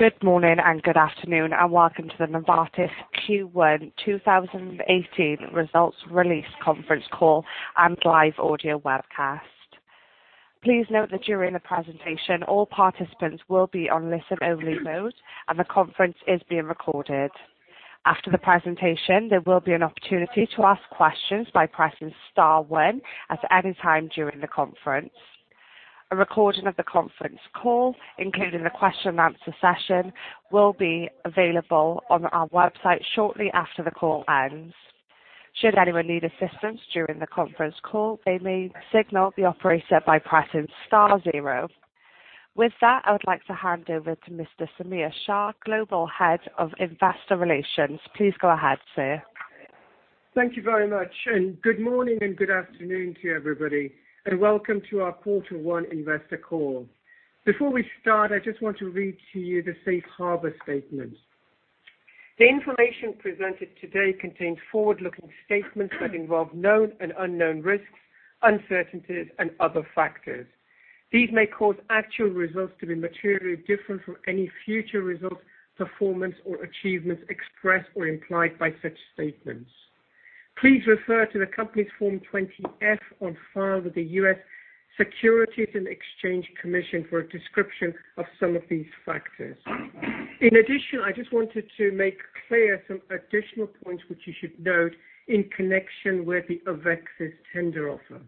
Good morning and good afternoon, welcome to the Novartis Q1 2018 results release conference call and live audio webcast. Please note that during the presentation, all participants will be on listen-only mode and the conference is being recorded. After the presentation, there will be an opportunity to ask questions by pressing star one at any time during the conference. A recording of the conference call, including the question and answer session, will be available on our website shortly after the call ends. Should anyone need assistance during the conference call, they may signal the operator by pressing star zero. With that, I would like to hand over to Samir Shah, Global Head of Investor Relations. Please go ahead, sir. Thank you very much, good morning and good afternoon to you, everybody, and welcome to our Quarter 1 investor call. Before we start, I just want to read to you the safe harbor statement. The information presented today contains forward-looking statements that involve known and unknown risks, uncertainties, and other factors. These may cause actual results to be materially different from any future results, performance, or achievements expressed or implied by such statements. Please refer to the company's Form 20-F on file with the U.S. Securities and Exchange Commission for a description of some of these factors. In addition, I just wanted to make clear some additional points which you should note in connection with the AveXis tender offer.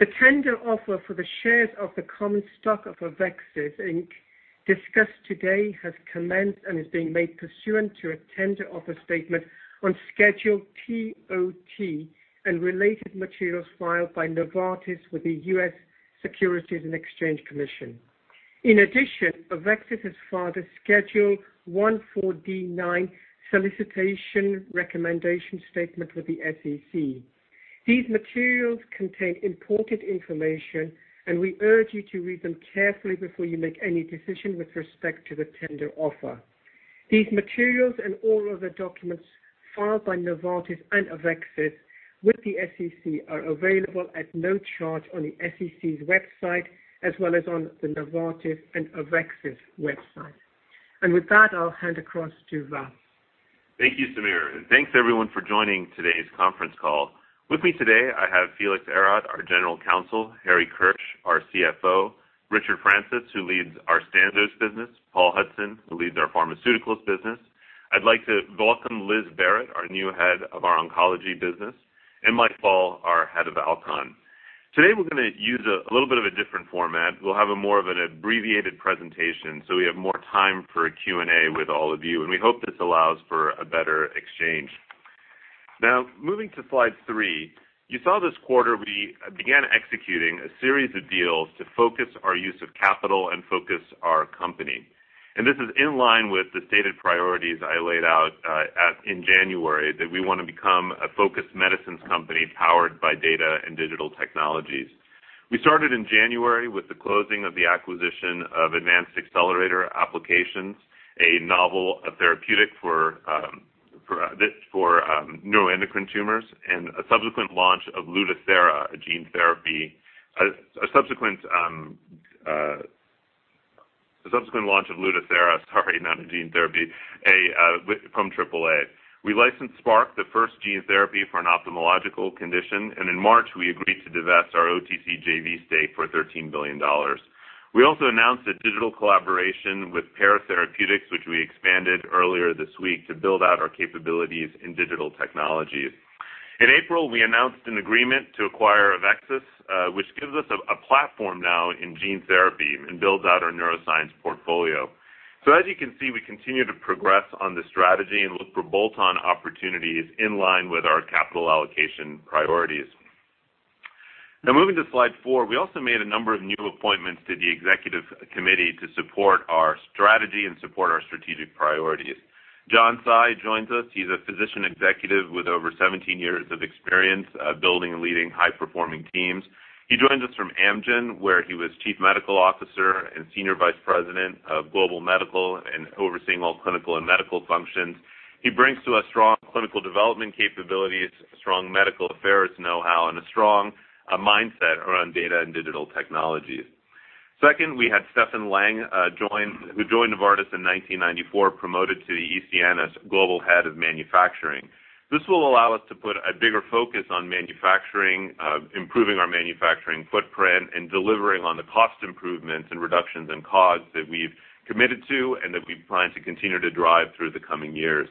The tender offer for the shares of the common stock of AveXis, Inc. discussed today has commenced and is being made pursuant to a tender offer statement on Schedule TO-T and related materials filed by Novartis with the U.S. Securities and Exchange Commission. In addition, AveXis has filed a Schedule 14D-9 solicitation recommendation statement with the SEC. These materials contain important information, and we urge you to read them carefully before you make any decision with respect to the tender offer. These materials and all other documents filed by Novartis and AveXis with the SEC are available at no charge on the SEC's website, as well as on the Novartis and AveXis website. With that, I'll hand across to Vas. Thank you, Samir. Thanks, everyone, for joining today's conference call. With me today, I have Felix Ehrat, our General Counsel, Harry Kirsch, our CFO, Richard Francis, who leads our Sandoz business, Paul Hudson, who leads our pharmaceuticals business. I'd like to welcome Liz Barrett, our new head of our oncology business, and Mike Ball, our head of Alcon. Today, we're going to use a little bit of a different format. We'll have a more of an abbreviated presentation, so we have more time for a Q&A with all of you, and we hope this allows for a better exchange. Now, moving to slide three. You saw this quarter we began executing a series of deals to focus our use of capital and focus our company. This is in line with the stated priorities I laid out in January, that we want to become a focused medicines company powered by data and digital technologies. We started in January with the closing of the acquisition of Advanced Accelerator Applications, a novel therapeutic for neuroendocrine tumors, and a subsequent launch of Lutathera, a gene therapy. A subsequent launch of Lutathera, sorry, not a gene therapy, from Triple A. We licensed Spark, the first gene therapy for an ophthalmological condition, and in March, we agreed to divest our OTC JV stake for $13 billion. We also announced a digital collaboration with Pear Therapeutics, which we expanded earlier this week to build out our capabilities in digital technologies. In April, we announced an agreement to acquire AveXis, which gives us a platform now in gene therapy and builds out our neuroscience portfolio. As you can see, we continue to progress on the strategy and look for bolt-on opportunities in line with our capital allocation priorities. Now moving to slide 4, we also made a number of new appointments to the Executive Committee to support our strategy and support our strategic priorities. John Tsai joins us. He's a physician executive with over 17 years of experience building and leading high-performing teams. He joins us from Amgen, where he was Chief Medical Officer and Senior Vice President of Global Medical and overseeing all clinical and medical functions. He brings to us strong clinical development capabilities, strong medical affairs know-how, and a strong mindset around data and digital technologies. Second, we had Steffen Lang, who joined Novartis in 1994, promoted to the ECN as Global Head of Manufacturing. This will allow us to put a bigger focus on manufacturing, improving our manufacturing footprint, and delivering on the cost improvements and reductions in cost that we've committed to and that we plan to continue to drive through the coming years.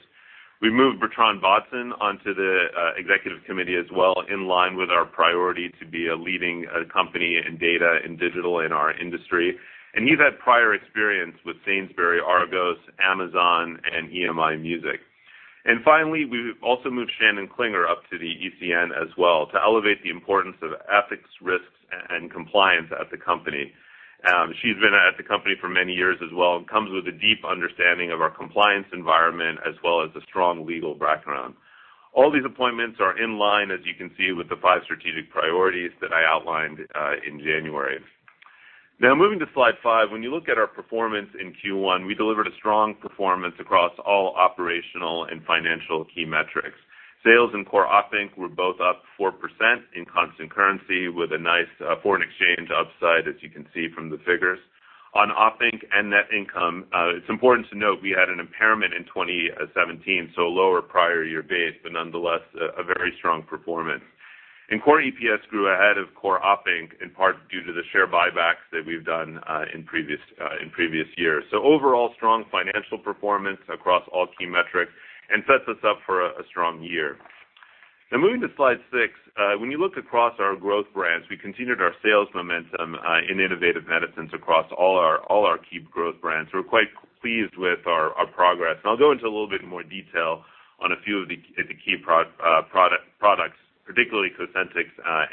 We moved Bertrand Bodson onto the Executive Committee as well, in line with our priority to be a leading company in data and digital in our industry. He's had prior experience with Sainsbury's, Argos, Amazon, and EMI Music. Finally, we also moved Shannon Klinger up to the ECN as well to elevate the importance of ethics, risks, and compliance at the company. She's been at the company for many years as well and comes with a deep understanding of our compliance environment as well as a strong legal background. All these appointments are in line, as you can see, with the five strategic priorities that I outlined in January. Now moving to slide 5. When you look at our performance in Q1, we delivered a strong performance across all operational and financial key metrics. Sales and core op inc were both up 4% in constant currency with a nice foreign exchange upside, as you can see from the figures. On op inc and net income, it's important to note we had an impairment in 2017, so a lower prior year base, but nonetheless, a very strong performance. Core EPS grew ahead of core op inc, in part due to the share buybacks that we've done in previous years. Overall strong financial performance across all key metrics and sets us up for a strong year. Now moving to slide 6. When you look across our growth brands, we continued our sales momentum in Innovative Medicines across all our key growth brands. We're quite pleased with our progress. I'll go into a little bit more detail on a few of the key products, particularly COSENTYX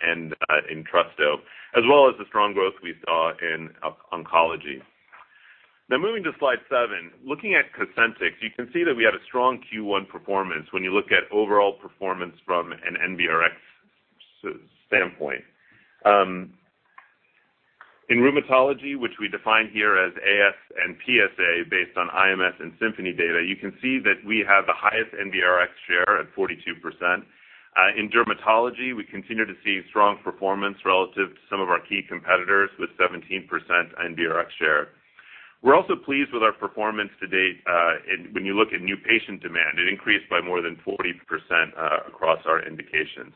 and ENTRESTO, as well as the strong growth we saw in oncology. Now moving to slide seven. Looking at COSENTYX, you can see that we had a strong Q1 performance when you look at overall performance from an NBRx standpoint. In rheumatology, which we define here as AS and PsA based on IMS and Symphony data, you can see that we have the highest NBRx share at 42%. In dermatology, we continue to see strong performance relative to some of our key competitors with 17% NBRx share. We're also pleased with our performance to date when you look at new patient demand. It increased by more than 40% across our indications.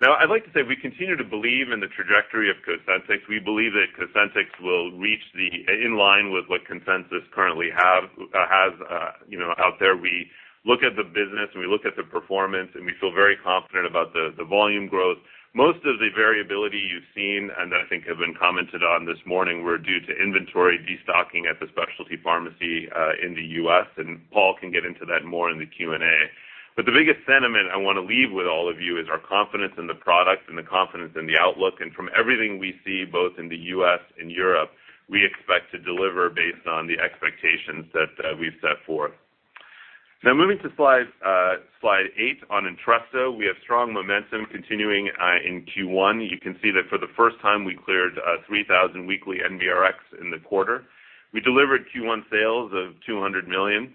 I'd like to say, we continue to believe in the trajectory of COSENTYX. We believe that COSENTYX will reach the in line with what consensus currently has out there. We look at the business, we look at the performance, and we feel very confident about the volume growth. Most of the variability you've seen, and I think have been commented on this morning, were due to inventory de-stocking at the specialty pharmacy in the U.S., Paul can get into that more in the Q&A. The biggest sentiment I want to leave with all of you is our confidence in the product and the confidence in the outlook. From everything we see, both in the U.S. and Europe, we expect to deliver based on the expectations that we've set forth. Now moving to slide eight on ENTRESTO. We have strong momentum continuing in Q1. You can see that for the first time we cleared 3,000 weekly NBRx in the quarter. We delivered Q1 sales of $200 million.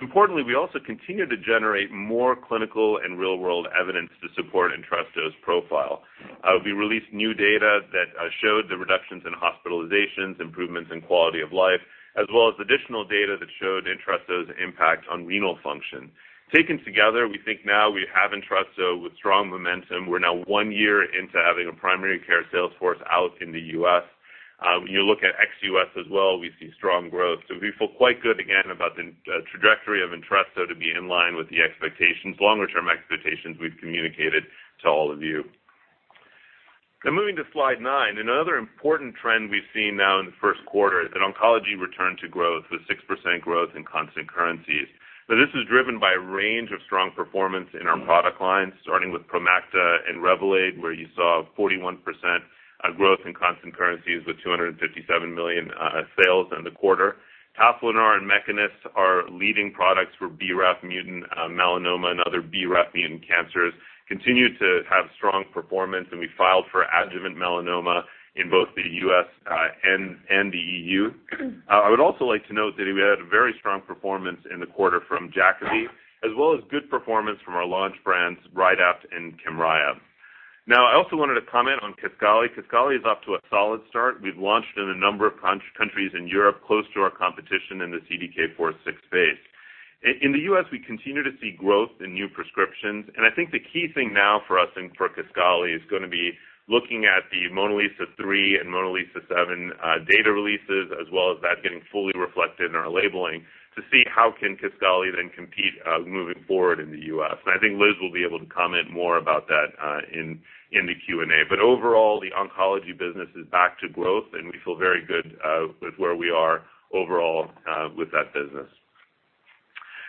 Importantly, we also continue to generate more clinical and real world evidence to support ENTRESTO's profile. We released new data that showed the reductions in hospitalizations, improvements in quality of life, as well as additional data that showed ENTRESTO's impact on renal function. Taken together, we think now we have ENTRESTO with strong momentum. We're now one year into having a primary care sales force out in the U.S. When you look at ex-U.S. as well, we see strong growth. We feel quite good again about the trajectory of ENTRESTO to be in line with the expectations, longer term expectations we've communicated to all of you. Now moving to slide nine. Another important trend we've seen now in the first quarter is that oncology returned to growth with 6% growth in constant currencies. This is driven by a range of strong performance in our product lines, starting with Promacta and Revolade, where you saw 41% growth in constant currencies with $257 million sales in the quarter. Tafinlar and Mekinist are leading products for BRAF mutant melanoma and other BRAF mutant cancers continue to have strong performance, and we filed for adjuvant melanoma in both the U.S. and the EU. I would also like to note that we had a very strong performance in the quarter from Jakavi, as well as good performance from our launch brands, Rixathon and KYMRIAH. I also wanted to comment on KISQALI. KISQALI is off to a solid start. We've launched in a number of countries in Europe close to our competition in the CDK4/6 space. In the U.S., we continue to see growth in new prescriptions, I think the key thing now for us and for KISQALI is going to be looking at the MONALEESA-3 and MONALEESA-7 data releases, as well as that getting fully reflected in our labeling to see how can KISQALI then compete moving forward in the U.S. I think Liz will be able to comment more about that in the Q&A. Overall, the oncology business is back to growth, and we feel very good with where we are overall with that business.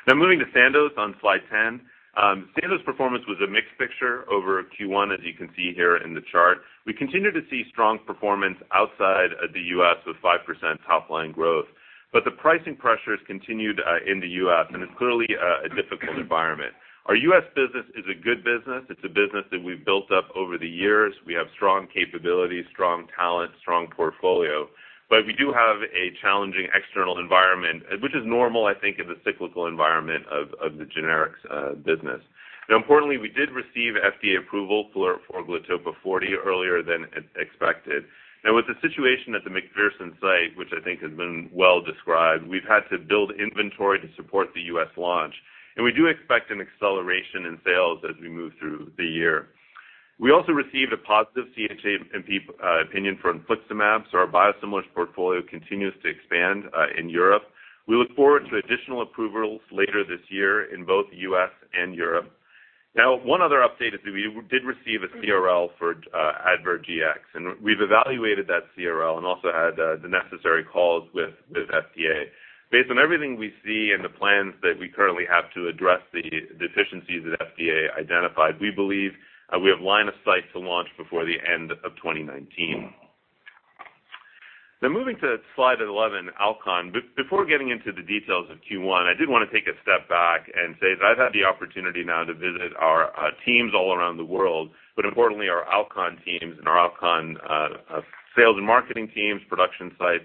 Moving to Sandoz on slide 10. Sandoz performance was a mixed picture over Q1, as you can see here in the chart. We continue to see strong performance outside of the U.S. with 5% top line growth. The pricing pressures continued in the U.S., and it's clearly a difficult environment. Our U.S. business is a good business. It's a business that we've built up over the years. We have strong capabilities, strong talent, strong portfolio. We do have a challenging external environment, which is normal, I think, in the cyclical environment of the generics business. Importantly, we did receive FDA approval for Glatopa 40 earlier than expected. With the situation at the McPherson site, which I think has been well described, we've had to build inventory to support the U.S. launch. We do expect an acceleration in sales as we move through the year. We also received a positive CHMP opinion for infliximab, so our biosimilars portfolio continues to expand in Europe. We look forward to additional approvals later this year in both U.S. and Europe. One other update is we did receive a CRL for Advair generic, and we've evaluated that CRL and also had the necessary calls with FDA. Based on everything we see and the plans that we currently have to address the deficiencies that FDA identified, we believe we have line of sight to launch before the end of 2019. Moving to slide 11, Alcon. Before getting into the details of Q1, I did want to take a step back and say that I've had the opportunity now to visit our teams all around the world, but importantly, our Alcon teams and our Alcon sales and marketing teams, production sites,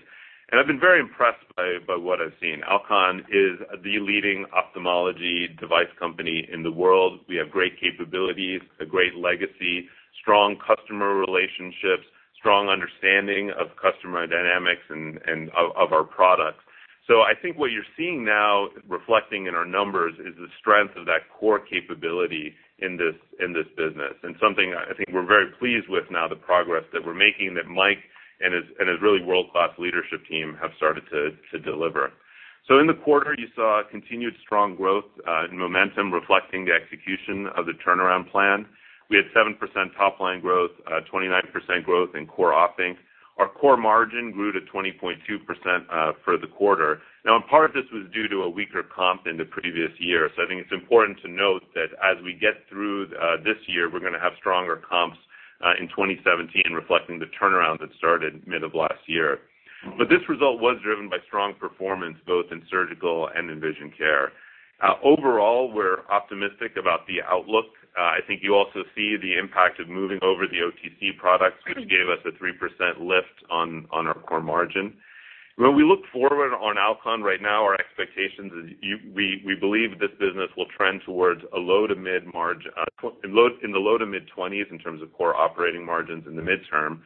and I've been very impressed by what I've seen. Alcon is the leading ophthalmology device company in the world. We have great capabilities, a great legacy, strong customer relationships, strong understanding of customer dynamics and of our products. I think what you're seeing now reflecting in our numbers is the strength of that core capability in this business. Something I think we're very pleased with now, the progress that we're making, that Mike and his really world-class leadership team have started to deliver. In the quarter, you saw continued strong growth, in momentum reflecting the execution of the turnaround plan. We had 7% top-line growth, 29% growth in core op inc. Our core margin grew to 20.2% for the quarter. Part of this was due to a weaker comp in the previous year, so I think it's important to note that as we get through this year, we're going to have stronger comps in 2017 reflecting the turnaround that started mid of last year. This result was driven by strong performance, both in surgical and in vision care. Overall, we're optimistic about the outlook. I think you also see the impact of moving over the OTC products, which gave us a 3% lift on our core margin. When we look forward on Alcon right now, our expectations is we believe this business will trend towards in the low to mid 20s in terms of core operating margins in the midterm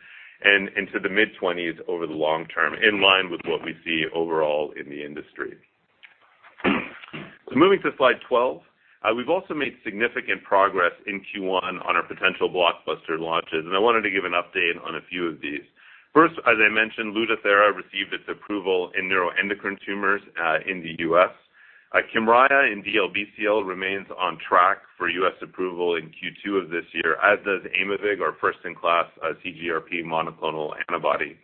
and into the mid 20s over the long term, in line with what we see overall in the industry. Moving to slide 12. We've also made significant progress in Q1 on our potential blockbuster launches, and I wanted to give an update on a few of these. First, as I mentioned, LUTATHERA received its approval in neuroendocrine tumors, in the U.S. KYMRIAH in DLBCL remains on track for U.S. approval in Q2 of this year, as does Aimovig, our first-in-class CGRP monoclonal antibody.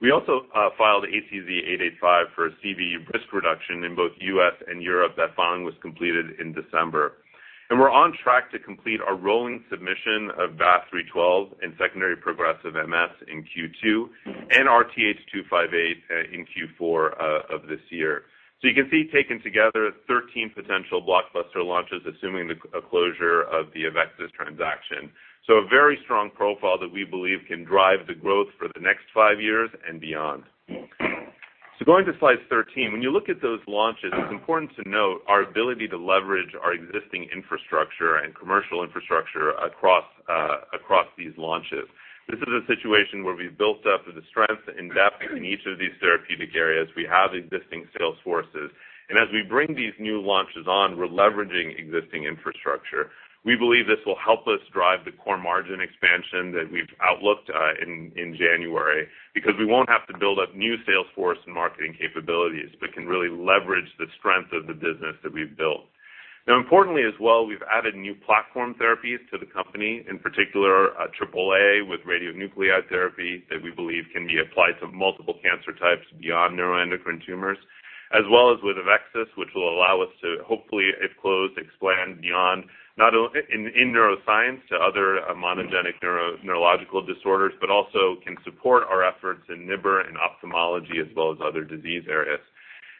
We also filed ACZ885 for CV risk reduction in both U.S. and Europe. That filing was completed in December. We're on track to complete our rolling submission of BAF312 in secondary progressive MS in Q2 and RTH258 in Q4 of this year. You can see, taken together, 13 potential blockbuster launches assuming a closure of the AveXis transaction. A very strong profile that we believe can drive the growth for the next five years and beyond. Going to slide 13. When you look at those launches, it's important to note our ability to leverage our existing infrastructure and commercial infrastructure across these launches. This is a situation where we've built up the strength and depth in each of these therapeutic areas. We have existing sales forces, and as we bring these new launches on, we're leveraging existing infrastructure. We believe this will help us drive the core margin expansion that we've outlooked in January because we won't have to build up new sales force and marketing capabilities but can really leverage the strength of the business that we've built. Now importantly as well, we've added new platform therapies to the company, in particular, AAA with radionuclide therapy that we believe can be applied to multiple cancer types beyond neuroendocrine tumors, as well as with AveXis, which will allow us to hopefully, if closed, expand beyond in neuroscience to other monogenic neurological disorders, but also can support our efforts in NIBR and ophthalmology as well as other disease areas.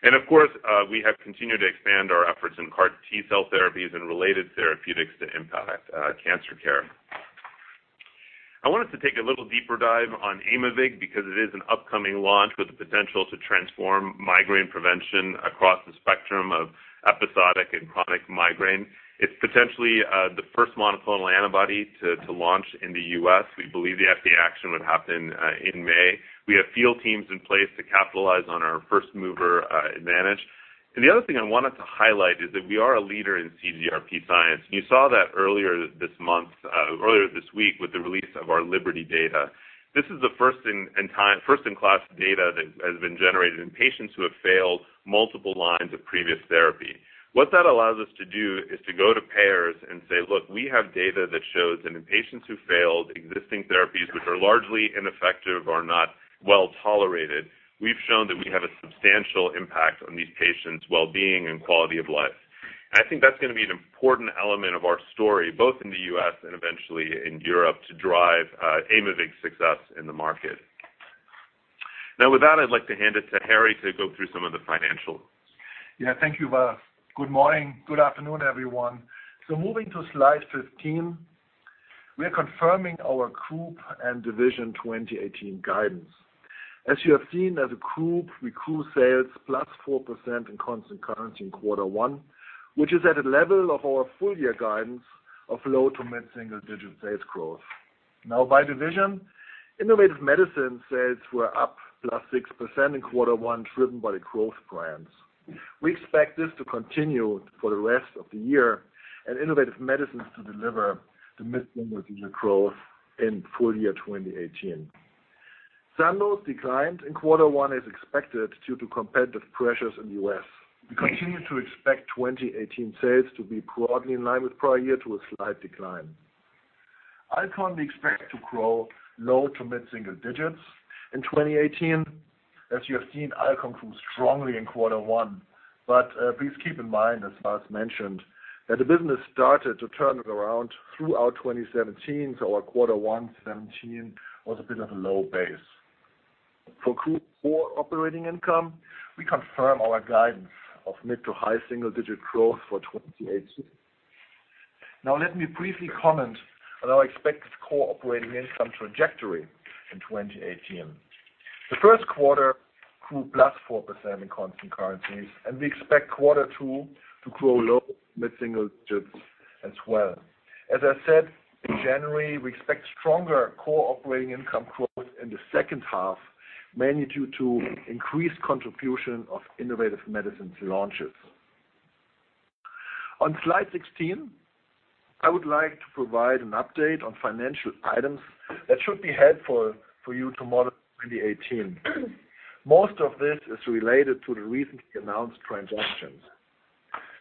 Of course, we have continued to expand our efforts in CAR T-cell therapies and related therapeutics to impact cancer care. I wanted to take a little deeper dive on Aimovig because it is an upcoming launch with the potential to transform migraine prevention across the spectrum of episodic and chronic migraine. It's potentially the first monoclonal antibody to launch in the U.S. We believe the FDA action would happen in May. We have field teams in place to capitalize on our first-mover advantage. The other thing I wanted to highlight is that we are a leader in CGRP science. You saw that earlier this week with the release of our LIBERTY data. This is the first-in-class data that has been generated in patients who have failed multiple lines of previous therapy. What that allows us to do is to go to payers and say, "Look, we have data that shows that in patients who failed existing therapies, which are largely ineffective or not well-tolerated, we've shown that we have a substantial impact on these patients' well-being and quality of life." I think that's going to be an important element of our story, both in the U.S. and eventually in Europe to drive Aimovig's success in the market. With that, I'd like to hand it to Harry to go through some of the financials. Yeah. Thank you, Vas. Good morning. Good afternoon, everyone. Moving to slide 15, we are confirming our group and division 2018 guidance. As you have seen as a group, we grew sales +4% in constant currency in Q1, which is at a level of our full-year guidance of low to mid-single-digit sales growth. By division, Innovative Medicines sales were up +6% in Q1, driven by the growth brands. We expect this to continue for the rest of the year and Innovative Medicines to deliver the mid-single-digit growth in full-year 2018. Sandoz declined in Q1 as expected due to competitive pressures in the U.S. We continue to expect 2018 sales to be broadly in line with prior year to a slight decline. Alcon we expect to grow low to mid-single-digits in 2018. As you have seen, Alcon grew strongly in Q1. Please keep in mind, as Vas mentioned, that the business started to turn it around throughout 2017. Our Q1 2017 was a bit of a low base. For group core operating income, we confirm our guidance of mid to high-single-digit growth for 2018. Let me briefly comment on our expected core operating income trajectory in 2018. The Q1 grew +4% in constant currencies, and we expect Q2 to grow low to mid-single-digits as well. As I said in January, we expect stronger core operating income growth in the second half, mainly due to increased contribution of Innovative Medicines launches. On slide 16, I would like to provide an update on financial items that should be helpful for you to model 2018. Most of this is related to the recently announced transactions.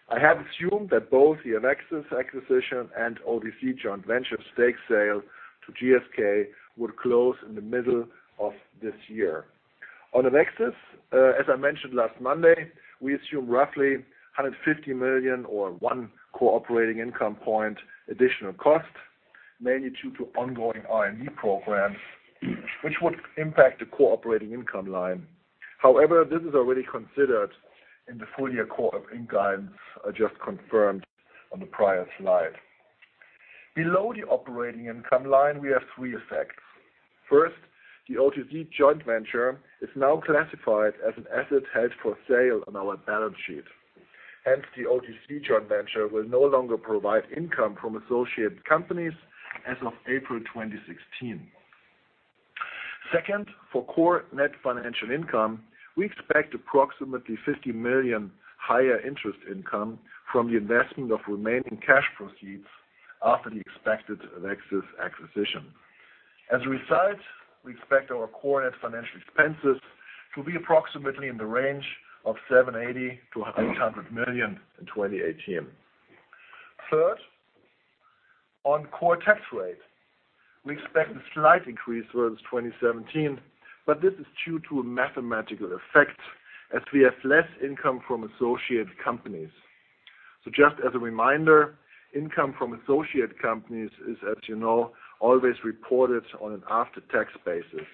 I have assumed that both the AveXis acquisition and OTC joint venture stake sale to GSK would close in the middle of this year. On AveXis, as I mentioned last Monday, we assume roughly $150 million or one core operating income point additional cost, mainly due to ongoing R&D programs, which would impact the core operating income line. However, this is already considered in the full-year core operating guidance I just confirmed on the prior slide. Below the operating income line, we have three effects. First, the OTC joint venture is now classified as an asset held for sale on our balance sheet. Hence, the OTC joint venture will no longer provide income from associated companies as of April 2018. Second, for core net financial income, we expect approximately $50 million higher interest income from the investment of remaining cash proceeds after the expected AveXis acquisition. As a result, we expect our core net financial expenses to be approximately in the range of $780 million-$800 million in 2018. Third, on core tax rate, we expect a slight increase versus 2017, but this is due to a mathematical effect as we have less income from associated companies. Just as a reminder, income from associated companies is, as you know, always reported on an after-tax basis.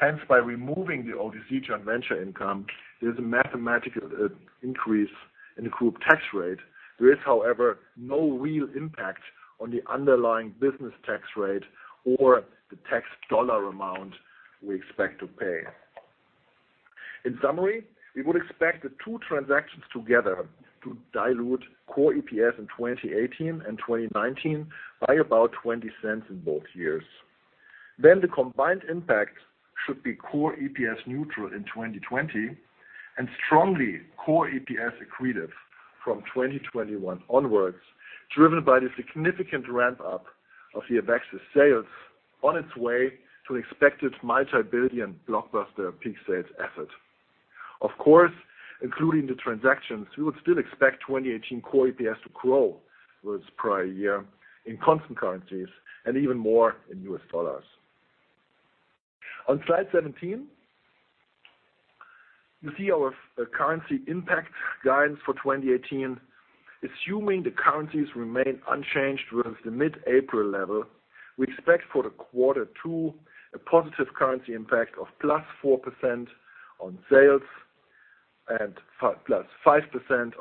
Hence, by removing the OTC joint venture income, there is a mathematical increase in group tax rate. There is, however, no real impact on the underlying business tax rate or the tax dollar amount we expect to pay. In summary, we would expect the two transactions together to dilute core EPS in 2018 and 2019 by about $0.20 in both years. The combined impact should be core EPS neutral in 2020 and strongly core EPS accretive from 2021 onwards, driven by the significant ramp-up of the AveXis sales on its way to expected multi-billion blockbuster peak sales effort. Of course, including the transactions, we would still expect 2018 core EPS to grow versus prior year in constant currencies and even more in U.S. dollars. On slide 17, you see our currency impact guidance for 2018. Assuming the currencies remain unchanged versus the mid-April level, we expect for the quarter two a positive currency impact of +4% on sales and +5%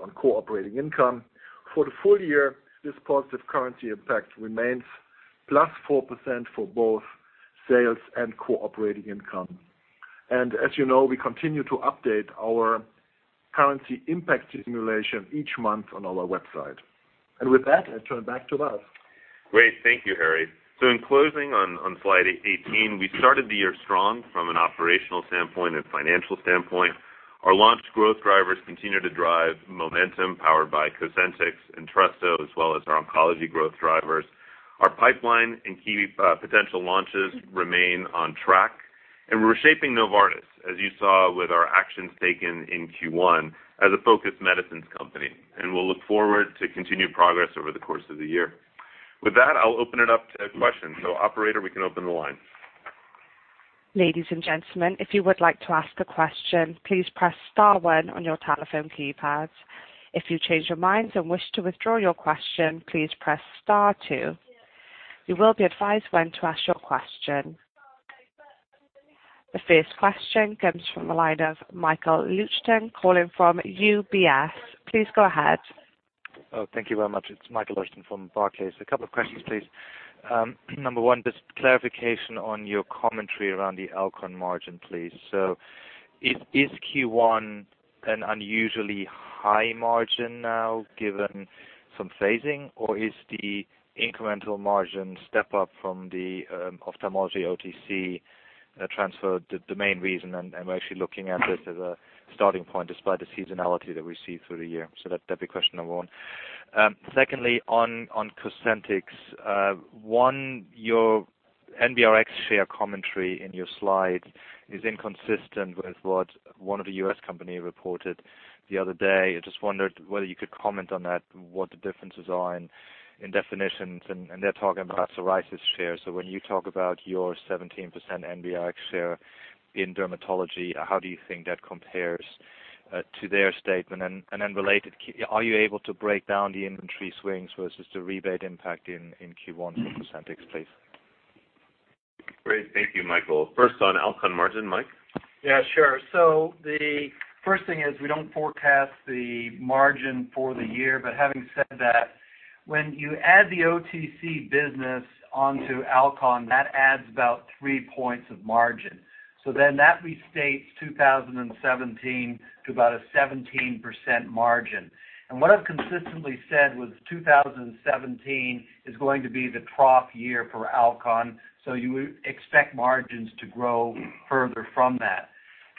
on core operating income. For the full year, this positive currency impact remains +4% for both sales and core operating income. As you know, we continue to update our currency impact simulation each month on our website. With that, I turn it back to Vas. Great. Thank you, Harry. In closing on slide 18, we started the year strong from an operational standpoint and financial standpoint. Our launch growth drivers continue to drive momentum powered by COSENTYX and ENTRESTO, as well as our oncology growth drivers. Our pipeline and key potential launches remain on track and we are reshaping Novartis, as you saw with our actions taken in Q1 as a focused medicines company. We will look forward to continued progress over the course of the year. With that, I will open it up to questions. Operator, we can open the line. Ladies and gentlemen, if you would like to ask a question, please press star one on your telephone keypad. If you change your mind and wish to withdraw your question, please press star two. You will be advised when to ask your question. The first question comes from the line of Michael Leuchten calling from UBS. Please go ahead. Thank you very much. It's Michael Leuchten from Barclays. A couple of questions, please. Number one, just clarification on your commentary around the Alcon margin, please. Is Q1 an unusually high margin now given some phasing, or is the incremental margin step up from the ophthalmology OTC transfer the main reason and we're actually looking at this as a starting point despite the seasonality that we see through the year? That'd be question number one. Secondly, on COSENTYX. One, your NBRx share commentary in your slide is inconsistent with what one of the U.S. company reported the other day. I just wondered whether you could comment on that, what the differences are in definitions. They're talking about psoriasis shares. When you talk about your 17% NBRx share in dermatology, how do you think that compares to their statement? Related, are you able to break down the inventory swings versus the rebate impact in Q1 for COSENTYX, please? Great. Thank you, Michael. First on Alcon margin, Mike? Yeah, sure. The first thing is we don't forecast the margin for the year. Having said that, when you add the OTC business onto Alcon, that adds about three points of margin. That restates 2017 to about a 17% margin. What I've consistently said was 2017 is going to be the trough year for Alcon, you would expect margins to grow further from that.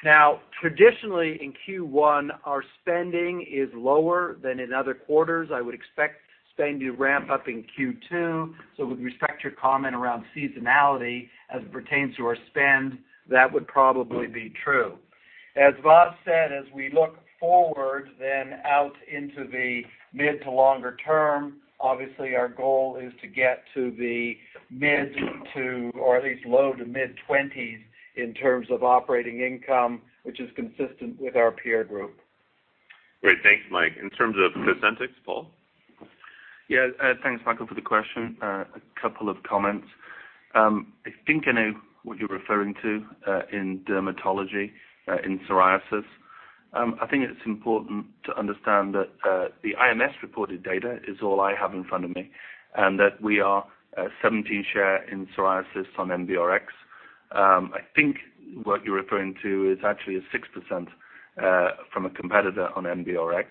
Now, traditionally, in Q1, our spending is lower than in other quarters. I would expect spending to ramp up in Q2. With respect to your comment around seasonality as it pertains to our spend, that would probably be true. As Vas said, as we look forward then out into the mid to longer term, obviously, our goal is to get to the mid to, or at least low to mid-20s in terms of operating income, which is consistent with our peer group. Great. Thanks, Mike. In terms of COSENTYX, Paul? Yeah. Thanks, Michael, for the question. A couple of comments. I think I know what you're referring to, in dermatology, in psoriasis. I think it's important to understand that the IMS reported data is all I have in front of me, and that we are 17 share in psoriasis on NBRx. I think what you're referring to is actually a 6% from a competitor on NBRx.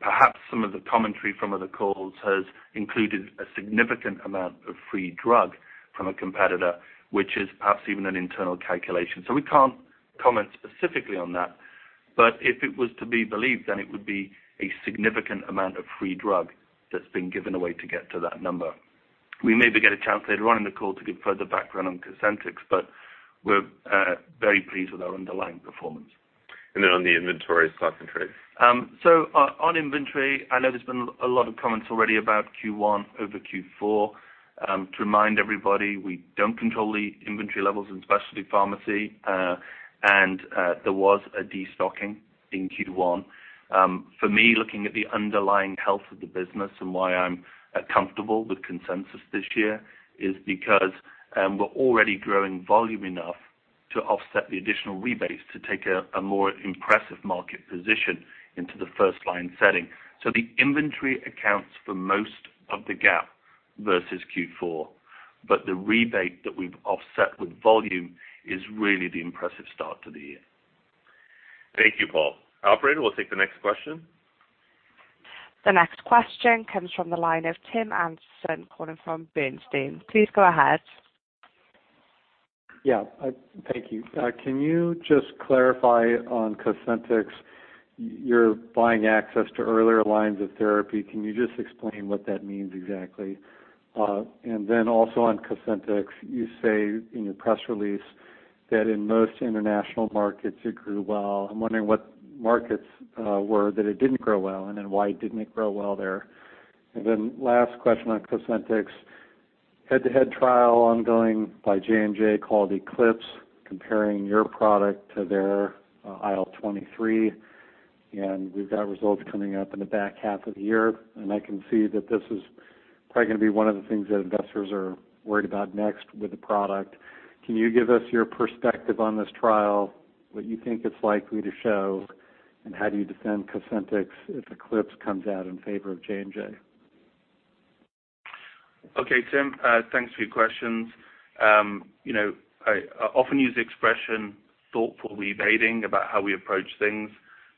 Perhaps some of the commentary from other calls has included a significant amount of free drug from a competitor, which is perhaps even an internal calculation. We can't comment specifically on that, but if it was to be believed, then it would be a significant amount of free drug that's been given away to get to that number. We maybe get a chance later on in the call to give further background on COSENTYX, but we're very pleased with our underlying performance. On the inventory stock and trade. On inventory, I know there's been a lot of comments already about Q1 over Q4. To remind everybody, we don't control the inventory levels in specialty pharmacy. There was a destocking in Q1. For me, looking at the underlying health of the business and why I'm comfortable with consensus this year is because we're already growing volume enough to offset the additional rebates to take a more impressive market position into the first-line setting. The inventory accounts for most of the gap versus Q4, but the rebate that we've offset with volume is really the impressive start to the year. Thank you, Paul. Operator, we'll take the next question. The next question comes from the line of Tim Anderson calling from Bernstein. Please go ahead. Thank you. Can you just clarify on COSENTYX, you're buying access to earlier lines of therapy. Can you just explain what that means exactly? Also on COSENTYX, you say in your press release that in most international markets, it grew well. I'm wondering what markets were that it didn't grow well, and then why didn't it grow well there. Last question on COSENTYX, head-to-head trial ongoing by J&J called ECLIPSE, comparing your product to their IL-23, and we've got results coming up in the back half of the year, and I can see that this is probably going to be one of the things that investors are worried about next with the product. Can you give us your perspective on this trial, what you think it's likely to show, and how do you defend COSENTYX if ECLIPSE comes out in favor of J&J? Okay, Tim, thanks for your questions. I often use the expression thoughtful rebating about how we approach things.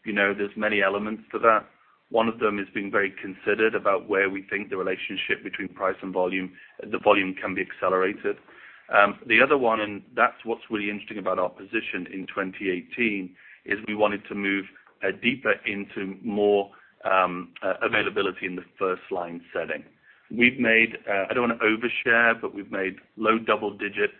There's many elements to that. One of them is being very considered about where we think the relationship between price and volume, the volume can be accelerated. The other one, and that's what's really interesting about our position in 2018, is we wanted to move deeper into more availability in the first-line setting. I don't want to overshare, but we've made low double-digit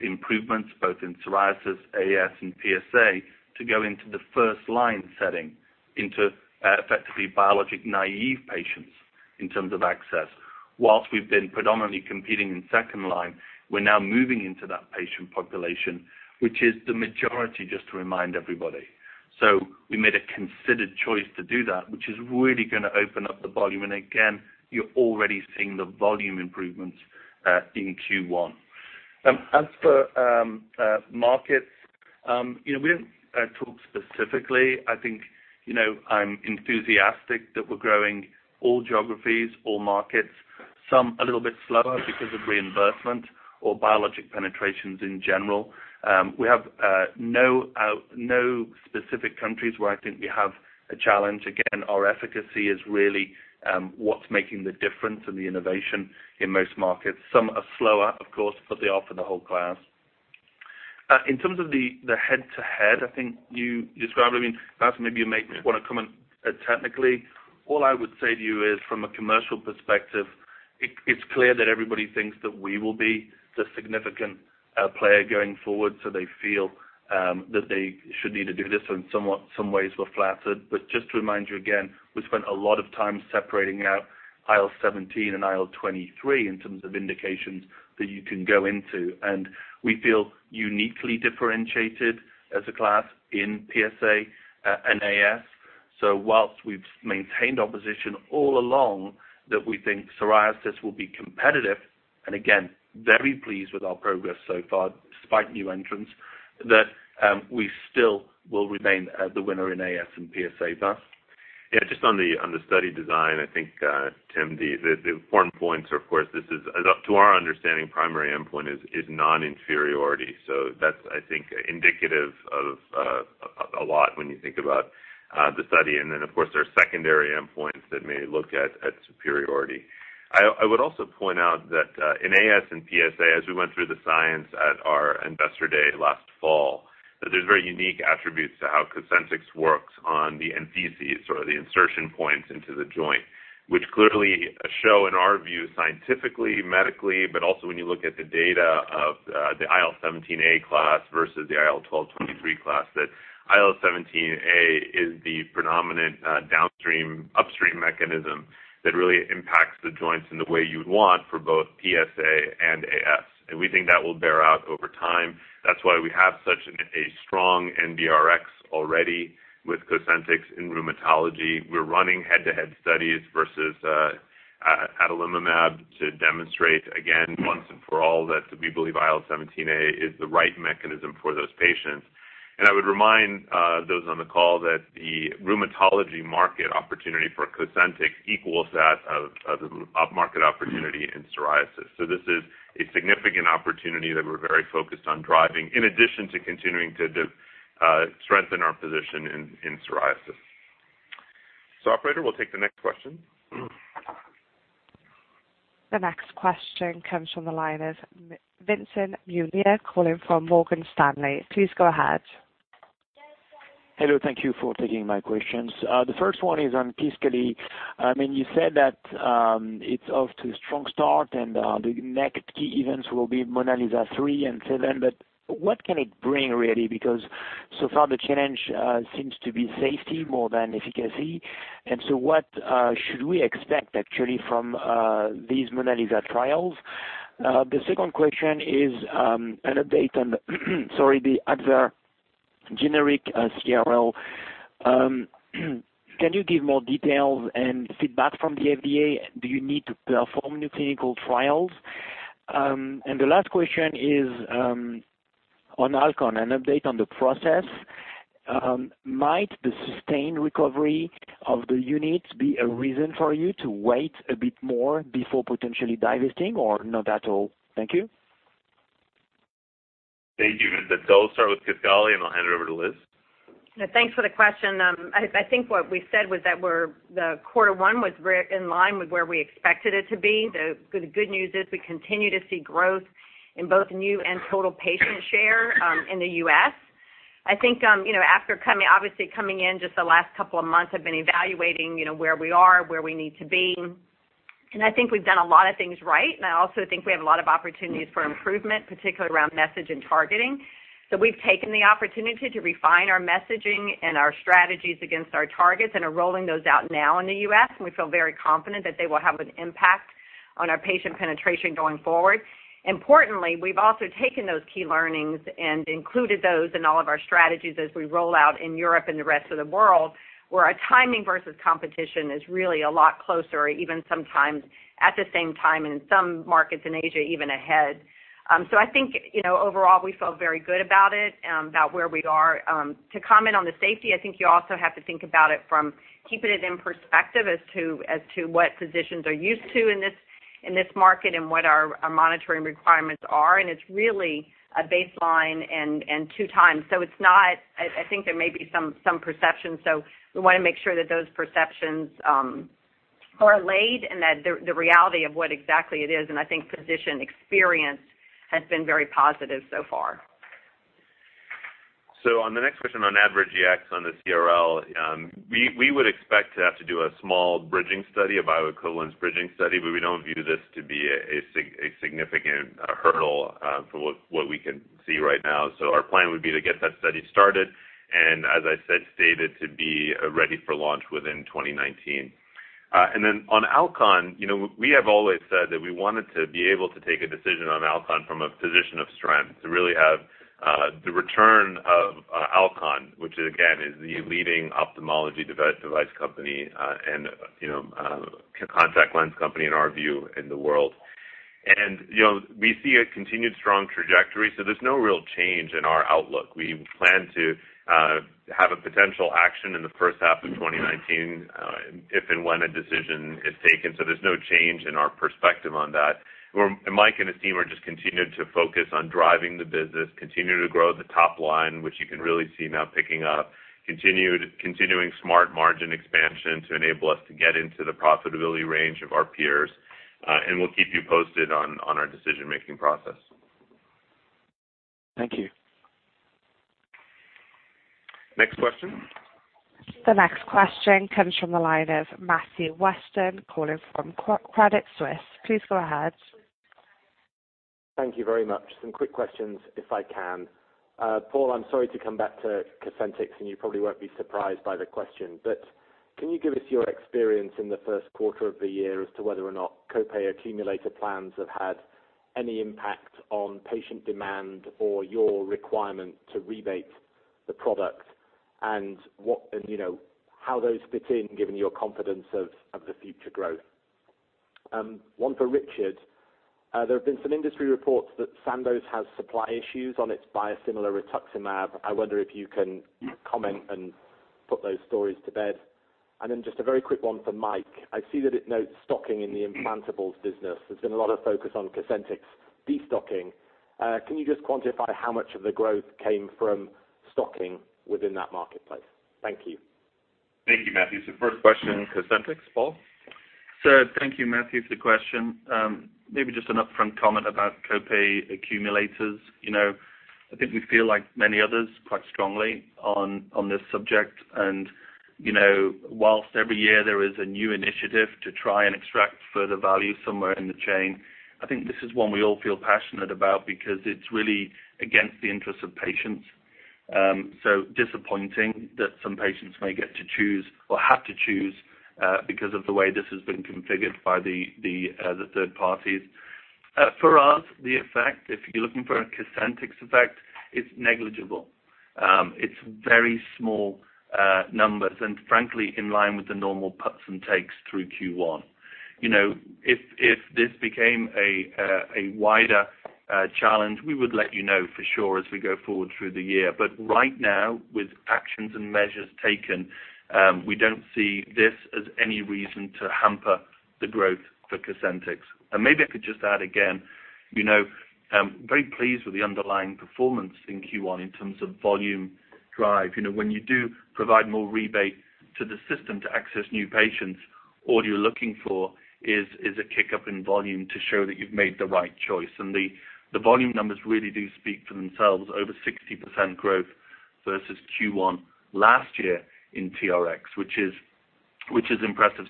improvements both in psoriasis, AS, and PsA to go into the first-line setting into effectively biologic naive patients in terms of access. Whilst we've been predominantly competing in second line, we're now moving into that patient population, which is the majority, just to remind everybody. We made a considered choice to do that, which is really going to open up the volume. Again, you're already seeing the volume improvements in Q1. As for markets, we haven't talked specifically, I think, I'm enthusiastic that we're growing all geographies, all markets, some a little bit slower because of reimbursement or biologic penetrations in general. We have no specific countries where I think we have a challenge. Again, our efficacy is really what's making the difference and the innovation in most markets. Some are slower, of course, but they are for the whole class. In terms of the head-to-head, I think you described, I mean, Vas, maybe you may just want to comment technically. All I would say to you is, from a commercial perspective, it's clear that everybody thinks that we will be the significant player going forward, so they feel that they should need to do this, and somewhat some ways we're flattered. Just to remind you again, we spent a lot of time separating out IL-17 and IL-23 in terms of indications that you can go into. We feel uniquely differentiated as a class in PsA and AS. Whilst we've maintained our position all along that we think psoriasis will be competitive, and again, very pleased with our progress so far despite new entrants, that we still will remain the winner in AS and PsA thus. Yeah, just on the study design, I think, Tim, the important points are, of course, this is, to our understanding, primary endpoint is non-inferiority. That's, I think, indicative of a lot when you think about the study. Then, of course, there are secondary endpoints that may look at superiority. I would also point out that in AS and PsA, as we went through the science at our investor day last fall, that there's very unique attributes to how COSENTYX works on the NPCs or the insertion points into the joint, which clearly show, in our view, scientifically, medically, but also when you look at the data of the IL-17A class versus the IL-12/23 class, that IL-17A is the predominant downstream, upstream mechanism that really impacts the joints in the way you would want for both PsA and AS. We think that will bear out over time. That's why we have such a strong NBRx already with COSENTYX in rheumatology. We're running head-to-head studies versus adalimumab to demonstrate again, once and for all, that we believe IL-17A is the right mechanism for those patients. I would remind those on the call that the rheumatology market opportunity for COSENTYX equals that of the market opportunity in psoriasis. Operator, we'll take the next question. The next question comes from the line of Vincent Munier, calling from Morgan Stanley. Please go ahead. Hello, thank you for taking my questions. The first one is on KISQALI. You said that it's off to a strong start and the next key events will be MONALEESA 3 and 7, what can it bring really? Because so far the challenge seems to be safety more than efficacy. What should we expect actually from these MONALEESA trials? The second question is an update on sorry, the other generic CRL. Can you give more details and feedback from the FDA? Do you need to perform new clinical trials? The last question is on Alcon, an update on the process. Might the sustained recovery of the unit be a reason for you to wait a bit more before potentially divesting, or not at all? Thank you. Thank you. I'll start with KISQALI, and I'll hand it over to Liz. Thanks for the question. I think what we said was that the quarter one was in line with where we expected it to be. The good news is we continue to see growth in both new and total patient share in the U.S. I think, obviously coming in just the last couple of months, have been evaluating where we are, where we need to be. I think we've done a lot of things right, and I also think we have a lot of opportunities for improvement, particularly around message and targeting. We've taken the opportunity to refine our messaging and our strategies against our targets and are rolling those out now in the U.S., and we feel very confident that they will have an impact on our patient penetration going forward. Importantly, we've also taken those key learnings and included those in all of our strategies as we roll out in Europe and the rest of the world, where our timing versus competition is really a lot closer, even sometimes at the same time, and in some markets in Asia, even ahead. I think overall, we feel very good about it, about where we are. To comment on the safety, I think you also have to think about it from keeping it in perspective as to what physicians are used to in this market and what our monitoring requirements are, and it's really a baseline and two times. I think there may be some perceptions. We want to make sure that those perceptions are laid and that the reality of what exactly it is, and I think physician experience has been very positive so far. On the next question on Advair on the CRL, we would expect to have to do a small bridging study, a bioequivalence bridging study. We don't view this to be a significant hurdle from what we can see right now. Our plan would be to get that study started, and as I said, stated to be ready for launch within 2019. On Alcon, we have always said that we wanted to be able to take a decision on Alcon from a position of strength to really have the return of Alcon, which again, is the leading ophthalmology device company and contact lens company, in our view, in the world. We see a continued strong trajectory. There's no real change in our outlook. We plan to have a potential action in the first half of 2019, if and when a decision is taken. There's no change in our perspective on that. Mike and his team are just continuing to focus on driving the business, continuing to grow the top line, which you can really see now picking up, continuing smart margin expansion to enable us to get into the profitability range of our peers. We'll keep you posted on our decision-making process. Thank you. Next question. The next question comes from the line of Matthew Weston calling from Credit Suisse. Please go ahead. Thank you very much. Some quick questions, if I can. Paul, I'm sorry to come back to COSENTYX, and you probably won't be surprised by the question, but can you give us your experience in the first quarter of the year as to whether or not copay accumulator plans have had any impact on patient demand or your requirement to rebate the product, and how those fit in, given your confidence of the future growth. One for Richard. There have been some industry reports that Sandoz has supply issues on its biosimilar rituximab. I wonder if you can comment and put those stories to bed. Then just a very quick one for Mike. I see that it notes stocking in the implantables business. There's been a lot of focus on COSENTYX destocking. Can you just quantify how much of the growth came from stocking within that marketplace? Thank you. Thank you, Matthew. First question, COSENTYX, Paul? Thank you, Matthew, for the question. Maybe just an upfront comment about copay accumulators. I think we feel like many others, quite strongly on this subject. Whilst every year there is a new initiative to try and extract further value somewhere in the chain, I think this is one we all feel passionate about because it's really against the interests of patients. Disappointing that some patients may get to choose or have to choose because of the way this has been configured by the third parties. For us, the effect, if you're looking for a COSENTYX effect, it's negligible. It's very small numbers, and frankly, in line with the normal puts and takes through Q1. If this became a wider challenge, we would let you know for sure as we go forward through the year. Right now, with actions and measures taken, we don't see this as any reason to hamper the growth for COSENTYX. Maybe I could just add again, very pleased with the underlying performance in Q1 in terms of volume drive. When you do provide more rebate to the system to access new patients, all you're looking for is a kick-up in volume to show that you've made the right choice, and the volume numbers really do speak for themselves. Over 60% growth versus Q1 last year in TRX, which is impressive.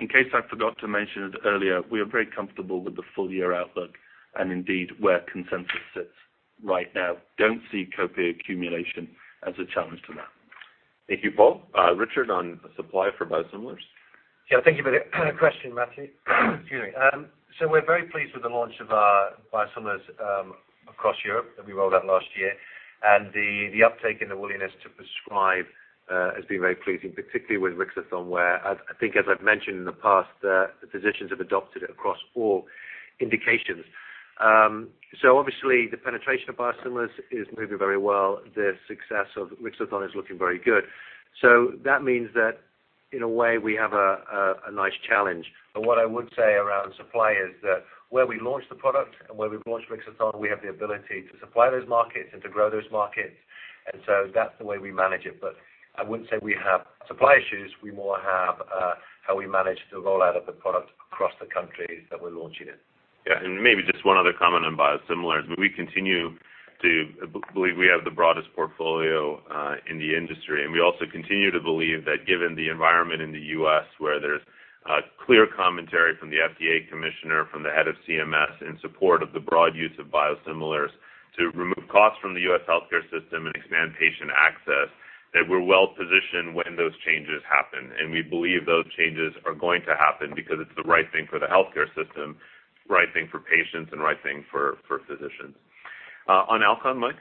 In case I forgot to mention it earlier, we are very comfortable with the full-year outlook and indeed where consensus sits right now. Don't see copay accumulation as a challenge to that. Thank you, Paul. Richard, on supply for biosimilars. Yeah, thank you for the question, Matthew. Excuse me. We're very pleased with the launch of our biosimilars across Europe that we rolled out last year. The uptake and the willingness to prescribe has been very pleasing, particularly with Rixathon, where I think, as I've mentioned in the past, the physicians have adopted it across all indications. Obviously, the penetration of biosimilars is moving very well. The success of Rixathon is looking very good. That means that in a way, we have a nice challenge. What I would say around supply is that where we launch the product and where we've launched Rixathon, we have the ability to supply those markets and to grow those markets. That's the way we manage it. I wouldn't say we have supply issues. We more have how we manage the rollout of the product across the countries that we're launching in. Yeah. Maybe just one other comment on biosimilars. We continue to believe we have the broadest portfolio in the industry, and we also continue to believe that given the environment in the U.S., where there's clear commentary from the FDA commissioner, from the head of CMS in support of the broad use of biosimilars to remove costs from the U.S. healthcare system and expand patient access, that we're well-positioned when those changes happen. We believe those changes are going to happen because it's the right thing for the healthcare system, right thing for patients, and right thing for physicians. On Alcon, Mike?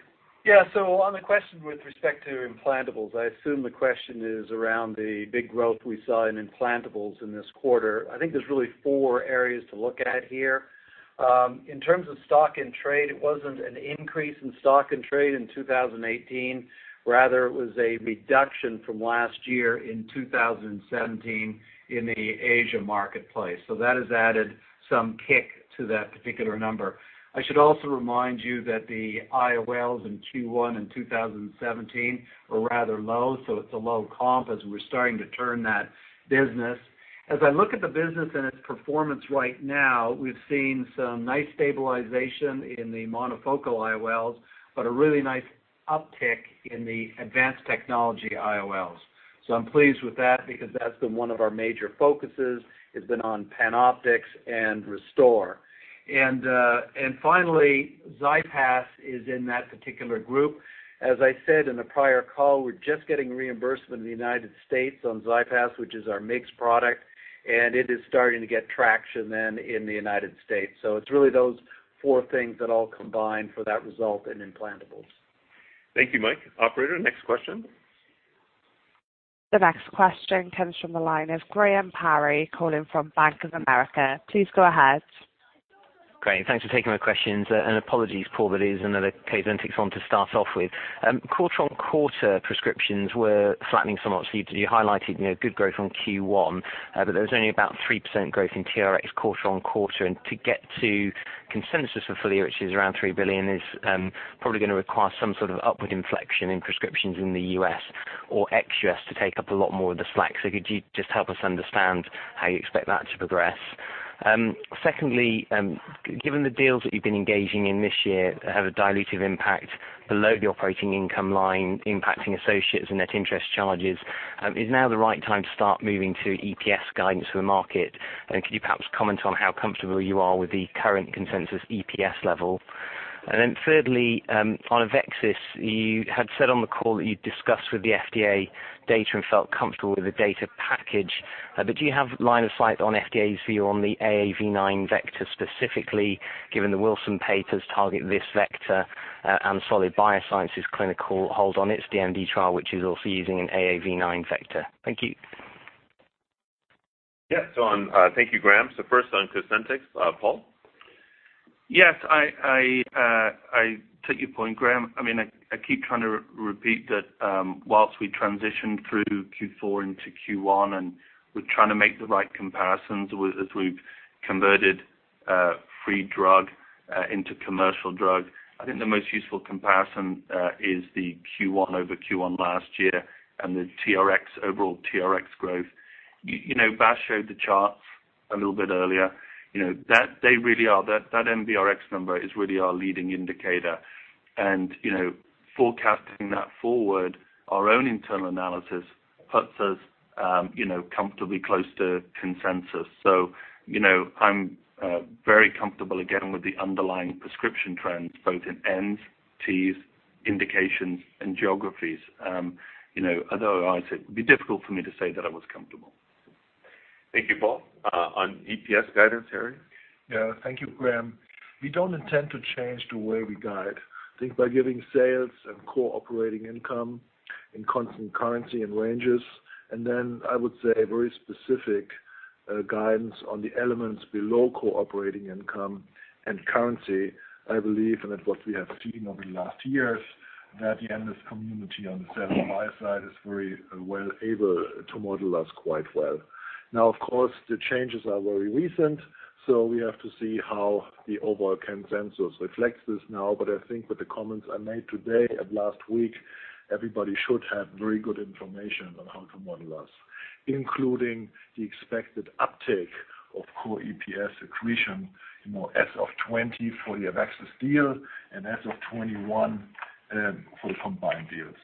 Yeah. On the question with respect to implantables, I assume the question is around the big growth we saw in implantables in this quarter. I think there's really four areas to look at here. In terms of stock and trade, it wasn't an increase in stock and trade in 2018. Rather, it was a reduction from last year in 2017 in the Asia marketplace. That has added some kick to that particular number. I should also remind you that the IOLs in Q1 in 2017 were rather low. It's a low comp as we're starting to turn that business. As I look at the business and its performance right now, we've seen some nice stabilization in the monofocal IOLs. A really nice uptick in the advanced technology IOLs. I'm pleased with that because that's been one of our major focuses, has been on PanOptix and ReSTOR. Finally, CyPass is in that particular group. As I said in the prior call, we're just getting reimbursement in the United States on CyPass, which is our MIGS product. It is starting to get traction then in the United States. It's really those four things that all combine for that result in implantables. Thank you, Mike. Operator, next question. The next question comes from the line of Graham Parry calling from Bank of America. Please go ahead. Graham, thanks for taking my questions. Apologies, Paul, it is another COSENTYX one to start off with. Quarter-on-quarter prescriptions were flattening somewhat. You highlighted good growth on Q1, there was only about 3% growth in TRX quarter-on-quarter. To get to consensus for full year, which is around $3 billion, is probably going to require some sort of upward inflection in prescriptions in the U.S. or ex-U.S. to take up a lot more of the slack. Could you just help us understand how you expect that to progress? Secondly, given the deals that you've been engaging in this year have a dilutive impact below the operating income line, impacting associates and net interest charges, is now the right time to start moving to EPS guidance for the market? Could you perhaps comment on how comfortable you are with the current consensus EPS level? Thirdly, on AveXis, you had said on the call that you'd discussed with the FDA data and felt comfortable with the data package. Do you have line of sight on FDA's view on the AAV9 vector specifically, given the Wilson papers target this vector and Solid Biosciences clinical hold on its DMD trial, which is also using an AAV9 vector? Thank you. Yes. Thank you, Graham. First on COSENTYX, Paul? Yes, I take your point, Graham. I keep trying to repeat that whilst we transition through Q4 into Q1, we're trying to make the right comparisons as we've converted free drug into commercial drug. I think the most useful comparison is the Q1 over Q1 last year and the overall TRX growth. Vas showed the charts a little bit earlier. That NBRx number is really our leading indicator and forecasting that forward, our own internal analysis puts us comfortably close to consensus. I'm very comfortable, again, with the underlying prescription trends, both in ends, Ts, indications, and geographies. Otherwise, it'd be difficult for me to say that I was comfortable. Thank you, Paul. On EPS guidance, Harry? Yeah. Thank you, Graham. We don't intend to change the way we guide. I think by giving sales and core operating income in constant currency and ranges, and then I would say very specific guidance on the elements below core operating income and currency, I believe, and at what we have seen over the last years, that the analyst community on the sell buy side is very well able to model us quite well. Of course, the changes are very recent, so we have to see how the overall consensus reflects this now. I think with the comments I made today and last week, everybody should have very good information on how to model us, including the expected uptake of core EPS accretion, as of 2020 for the AveXis deal and as of 2021 for the combined deals.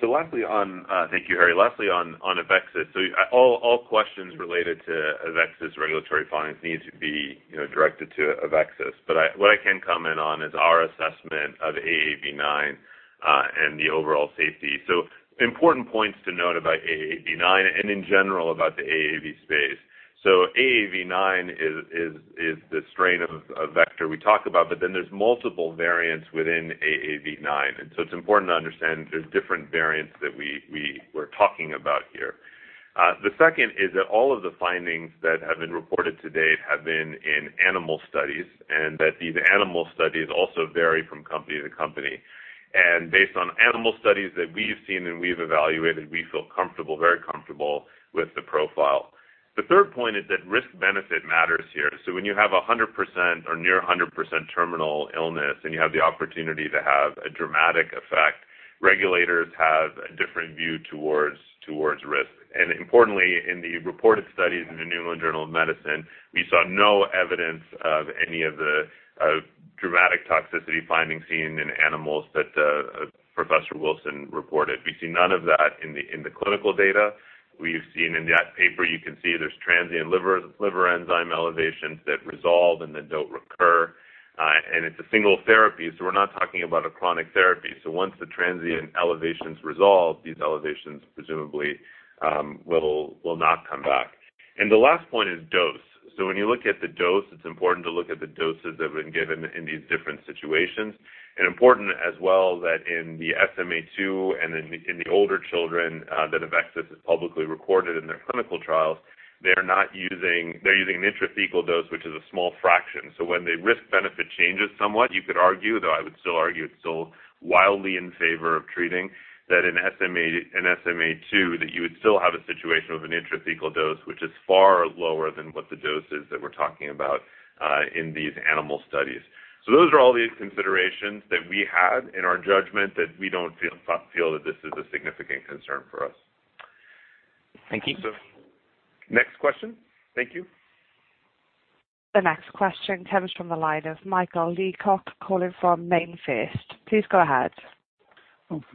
Thank you, Harry. Lastly, on AveXis. All questions related to AveXis regulatory filings need to be directed to AveXis. What I can comment on is our assessment of AAV9 and the overall safety. Important points to note about AAV9 and in general about the AAV space. AAV9 is the strain of vector we talk about, there's multiple variants within AAV9, it's important to understand there's different variants that we're talking about here. The second is that all of the findings that have been reported to date have been in animal studies, that these animal studies also vary from company to company. Based on animal studies that we've seen and we've evaluated, we feel very comfortable with the profile. The third point is that risk-benefit matters here. When you have 100% or near 100% terminal illness and you have the opportunity to have a dramatic effect, regulators have a different view towards risk. Importantly, in the reported studies in the New England Journal of Medicine, we saw no evidence of any of the dramatic toxicity findings seen in animals that Professor Wilson reported. We see none of that in the clinical data. We've seen in that paper, you can see there's transient liver enzyme elevations that resolve and then don't recur. It's a single therapy, so we're not talking about a chronic therapy. Once the transient elevation's resolved, these elevations presumably will not come back. The last point is dose. When you look at the dose, it's important to look at the doses that have been given in these different situations. Important as well that in the SMA2 and in the older children that AveXis has publicly recorded in their clinical trials, they're using an intrathecal dose, which is a small fraction. When the risk-benefit changes somewhat, you could argue, though I would still argue it's still wildly in favor of treating, that in SMA2, that you would still have a situation with an intrathecal dose, which is far lower than what the dose is that we're talking about in these animal studies. Those are all the considerations that we had in our judgment that we don't feel that this is a significant concern for us. Thank you. Next question. Thank you. The next question comes from the line of Michael Leacock calling from MainFirst. Please go ahead.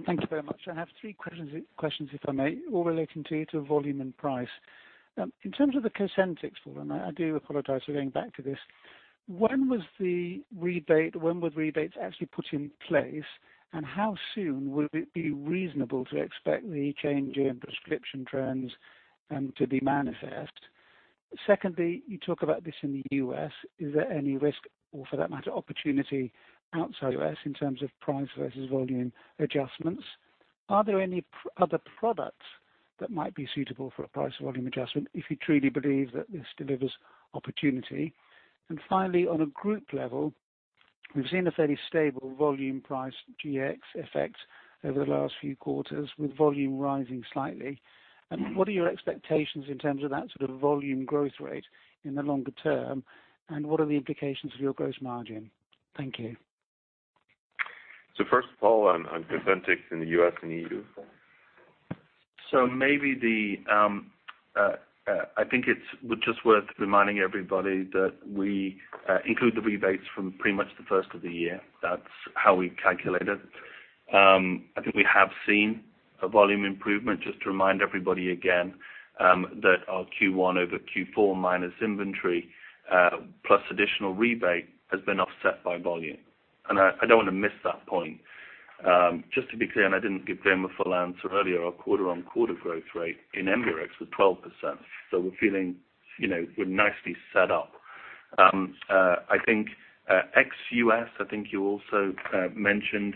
Thank you very much. I have three questions, if I may, all relating to volume and price. In terms of the COSENTYX, Paul, I do apologize for going back to this. When were rebates actually put in place, and how soon would it be reasonable to expect the change in prescription trends to be manifest? Secondly, you talk about this in the U.S. Is there any risk, or for that matter, opportunity outside U.S. in terms of price versus volume adjustments? Are there any other products that might be suitable for a price volume adjustment if you truly believe that this delivers opportunity? Finally, on a group level, we've seen a fairly stable volume price GX effect over the last few quarters, with volume rising slightly. What are your expectations in terms of that sort of volume growth rate in the longer term, and what are the implications of your gross margin? Thank you. First, Paul, on COSENTYX in the U.S. and EU. Maybe I think it's just worth reminding everybody that we include the rebates from pretty much the first of the year. That's how we calculate it. I think we have seen a volume improvement. Just to remind everybody again, that our Q1 over Q4 minus inventory, plus additional rebate has been offset by volume. I don't want to miss that point. Just to be clear, I didn't give them a full answer earlier, our quarter-on-quarter growth rate in NBRx was 12%. We're feeling we're nicely set up. I think ex-U.S., I think you also mentioned,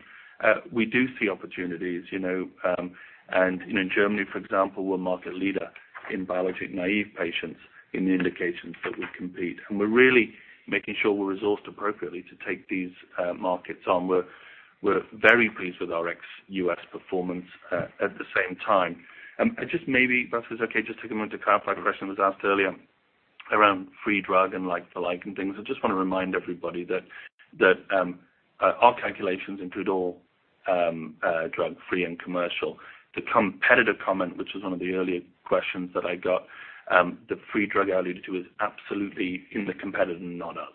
we do see opportunities. In Germany, for example, we're a market leader in biologic-naive patients in the indications that we compete. We're really making sure we're resourced appropriately to take these markets on. We're very pleased with our ex-U.S. performance at the same time. just maybe, if that was okay, just take a moment to clarify a question that was asked earlier around free drug and the like and things. I just want to remind everybody that our calculations include all drug, free and commercial. The competitor comment, which was one of the earlier questions that I got, the free drug I alluded to is absolutely in the competitor, not us,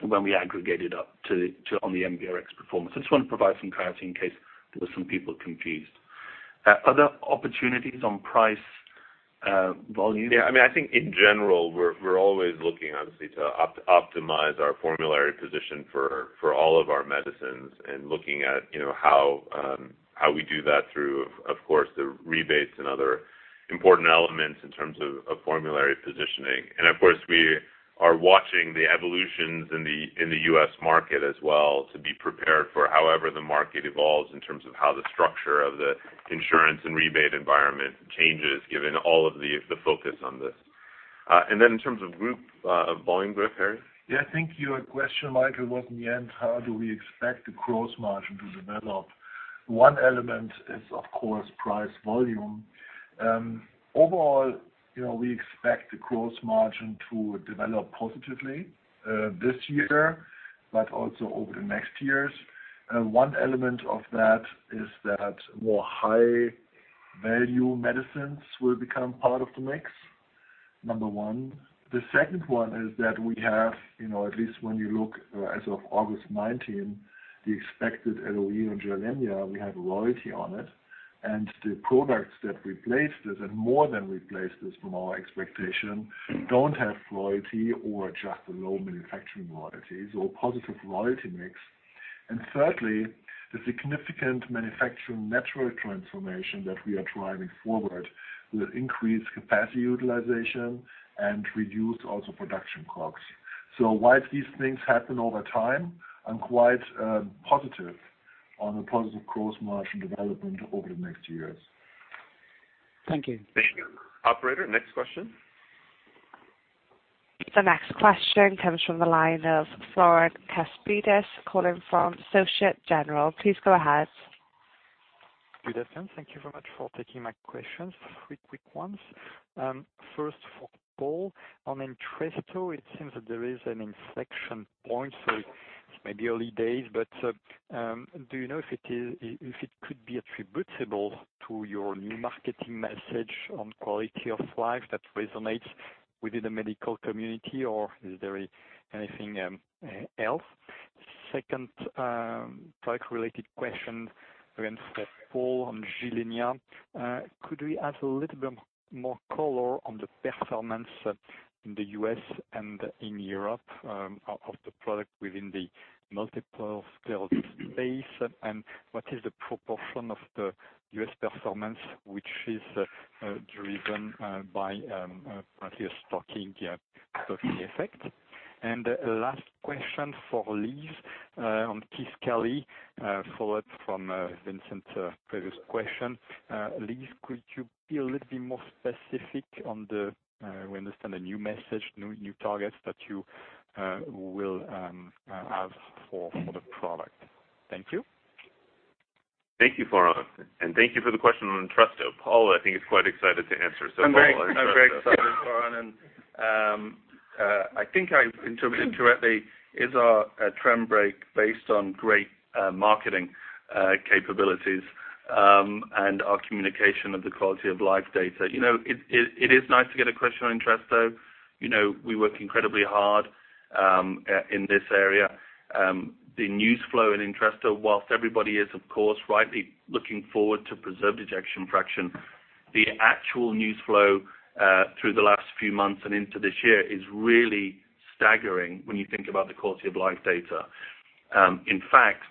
when we aggregate it up to on the NBRx performance. I just want to provide some clarity in case there were some people confused. Other opportunities on price volume? I think in general, we're always looking, obviously, to optimize our formulary position for all of our medicines and looking at how we do that through, of course, the rebates and other important elements in terms of formulary positioning. Of course, we are watching the evolutions in the U.S. market as well to be prepared for however the market evolves in terms of how the structure of the insurance and rebate environment changes given all of the focus on this. Then in terms of group, volume group, Harry? I think your question, Michael, was in the end, how do we expect the gross margin to develop? One element is, of course, price volume. Overall, we expect the gross margin to develop positively this year, but also over the next years. One element of that is that more high-value medicines will become part of the MIGS, number 1. The second one is that we have, at least when you look as of August 19, the expected LOE on GILENYA, we have royalty on it. The products that replaced it, and more than replaced it from our expectation, don't have royalty or just low manufacturing royalties or positive royalty MIGS. Thirdly, the significant manufacturing network transformation that we are driving forward will increase capacity utilization and reduce also production costs. Whilst these things happen over time, I'm quite positive on the positive gross margin development over the next years. Thank you. Thank you. Operator, next question. The next question comes from the line of Florent Cespedes, calling from Societe Generale. Please go ahead. Good afternoon. Thank you very much for taking my questions. Three quick ones. First for Paul. On ENTRESTO, it seems that there is an inflection point. It's maybe early days, but do you know if it could be attributable to your new marketing message on quality of life that resonates within the medical community, or is there anything else? Second product-related question, again for Paul, on GILENYA. Could we add a little bit more color on the performance in the U.S. and in Europe of the product within the multiple sclerosis space? What is the proportion of the U.S. performance, which is driven by partly a stocking effect? Last question for Liz on KISQALI, a follow-up from Vincent's previous question. Liz, could you be a little bit more specific on the, we understand the new message, new targets that you will have for the product? Thank you. Thank you, Florent. Thank you for the question on ENTRESTO. Paul, I think, is quite excited to answer, Paul, why don't you start us off? I'm very excited, Florent, I think I interpreted correctly, is our trend break based on great marketing capabilities and our communication of the quality-of-life data. It is nice to get a question on ENTRESTO. We work incredibly hard in this area. The news flow in ENTRESTO, whilst everybody is, of course, rightly looking forward to preserved ejection fraction, the actual news flow through the last few months and into this year is really staggering when you think about the quality-of-life data. In fact,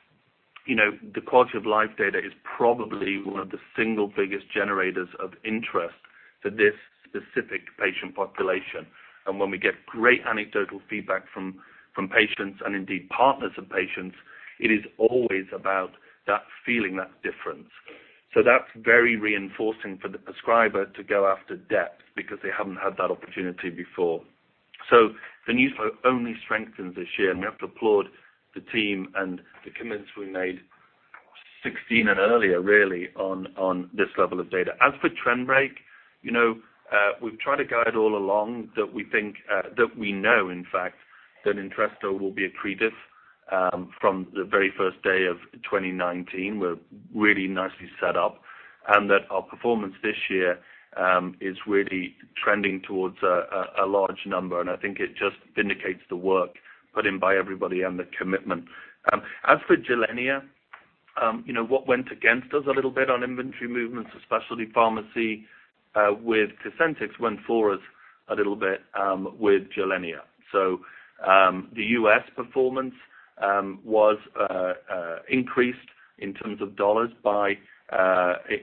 the quality-of-life data is probably one of the single biggest generators of interest to this specific patient population. When we get great anecdotal feedback from patients, and indeed partners of patients, it is always about that feeling, that difference. That's very reinforcing for the prescriber to go after depth because they haven't had that opportunity before. The news flow only strengthens this year, we have to applaud the team and the commitments we made 2016 and earlier, really, on this level of data. As for trend break, we've tried to guide all along that we think, that we know in fact, that ENTRESTO will be accretive from the very first day of 2019. We're really nicely set up. That our performance this year is really trending towards a large number, I think it just vindicates the work put in by everybody and the commitment. As for GILENYA, what went against us a little bit on inventory movements, especially pharmacy with COSENTYX, went for us a little bit with GILENYA. The U.S. performance was increased in terms of $ by,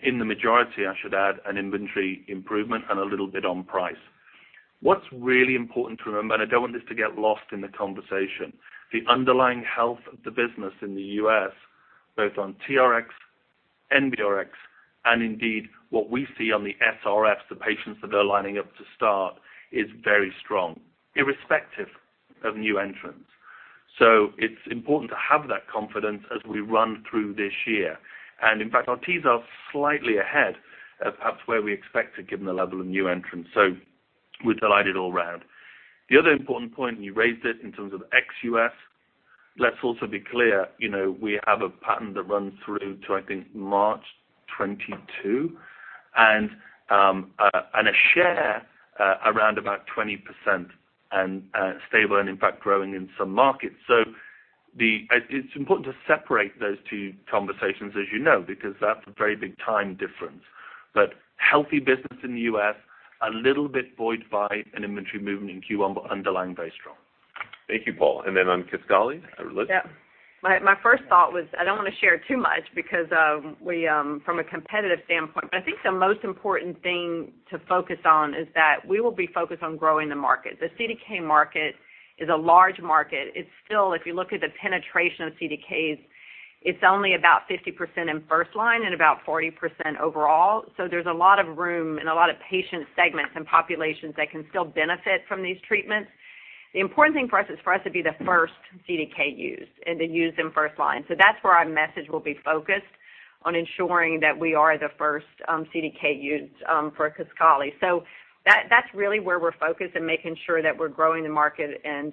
in the majority, I should add, an inventory improvement and a little bit on price. What's really important to remember, I don't want this to get lost in the conversation, the underlying health of the business in the U.S., both on TRX, NBRx, and indeed what we see on the SRFs, the patients that are lining up to start, is very strong, irrespective of new entrants. It's important to have that confidence as we run through this year. In fact, our Ts are slightly ahead of perhaps where we expected, given the level of new entrants. We're delighted all round. The other important point, you raised it in terms of ex-U.S., let's also be clear, we have a pattern that runs through to, I think, March 2022, and a share around about 20% and stable and in fact growing in some markets. It's important to separate those two conversations, as you know, because that's a very big time difference. Healthy business in the U.S., a little bit buoyed by an inventory movement in Q1. Underlying very strong. Thank you, Paul. On KISQALI, Liz? My first thought was I don't want to share too much because from a competitive standpoint, but I think the most important thing to focus on is that we will be focused on growing the market. The CDK market is a large market. It's still, if you look at the penetration of CDKs, it's only about 50% in first line and about 40% overall. There's a lot of room and a lot of patient segments and populations that can still benefit from these treatments. The important thing for us is for us to be the first CDK used and to use in first line. That's where our message will be focused, on ensuring that we are the first CDK used for KISQALI. That's really where we're focused and making sure that we're growing the market and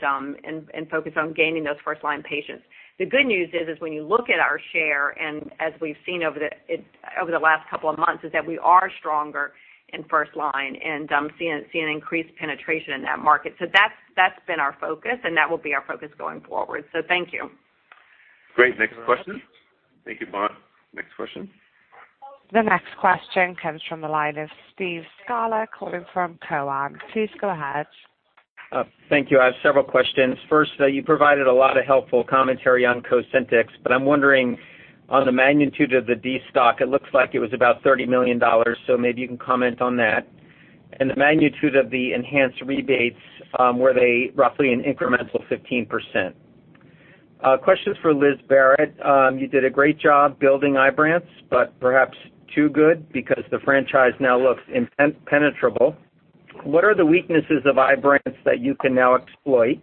focused on gaining those first-line patients. The good news is when you look at our share, and as we've seen over the last couple of months, is that we are stronger in first line and seeing increased penetration in that market. That's been our focus, and that will be our focus going forward. Thank you. Great. Next question. Thank you, Paul. Next question. The next question comes from the line of Steve Scala calling from Cowen. Please go ahead. Thank you. I have several questions. First, you provided a lot of helpful commentary on COSENTYX, I'm wondering on the magnitude of the destock. It looks like it was about $30 million, maybe you can comment on that. The magnitude of the enhanced rebates, were they roughly an incremental 15%? Questions for Liz Barrett. You did a great job building IBRANCE, perhaps too good because the franchise now looks impenetrable. What are the weaknesses of IBRANCE that you can now exploit?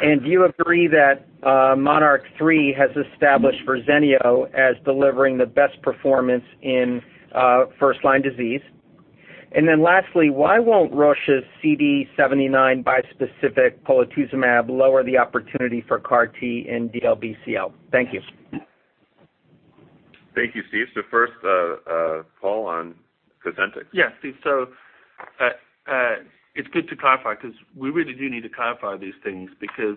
Do you agree that MONARCH 3 has established Verzenio as delivering the best performance in first-line disease? Lastly, why won't Roche's CD79 bispecific polatuzumab lower the opportunity for CAR T in DLBCL? Thank you. Thank you, Steve. First, Paul, on COSENTYX. Steve, it's good to clarify because we really do need to clarify these things because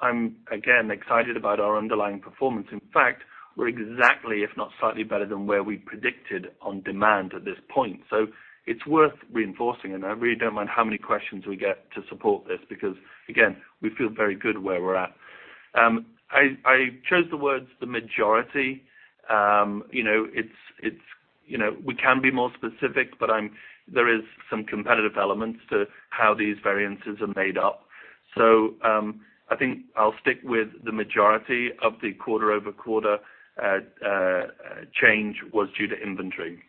I'm, again, excited about our underlying performance. In fact, we're exactly, if not slightly better than where we predicted on demand at this point. It's worth reinforcing, and I really don't mind how many questions we get to support this because, again, we feel very good where we're at. I chose the words the majority. We can be more specific, there is some competitive elements to how these variances are made up. I think I'll stick with the majority of the quarter-over-quarter change was due to inventory.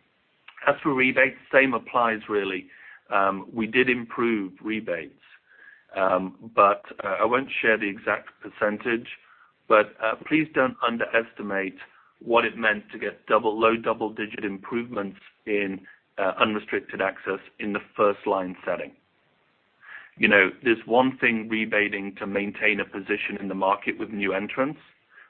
As for rebates, same applies really. We did improve rebates. I won't share the exact percentage, please don't underestimate what it meant to get low double-digit improvements in unrestricted access in the first-line setting. It is one thing rebating to maintain a position in the market with new entrants.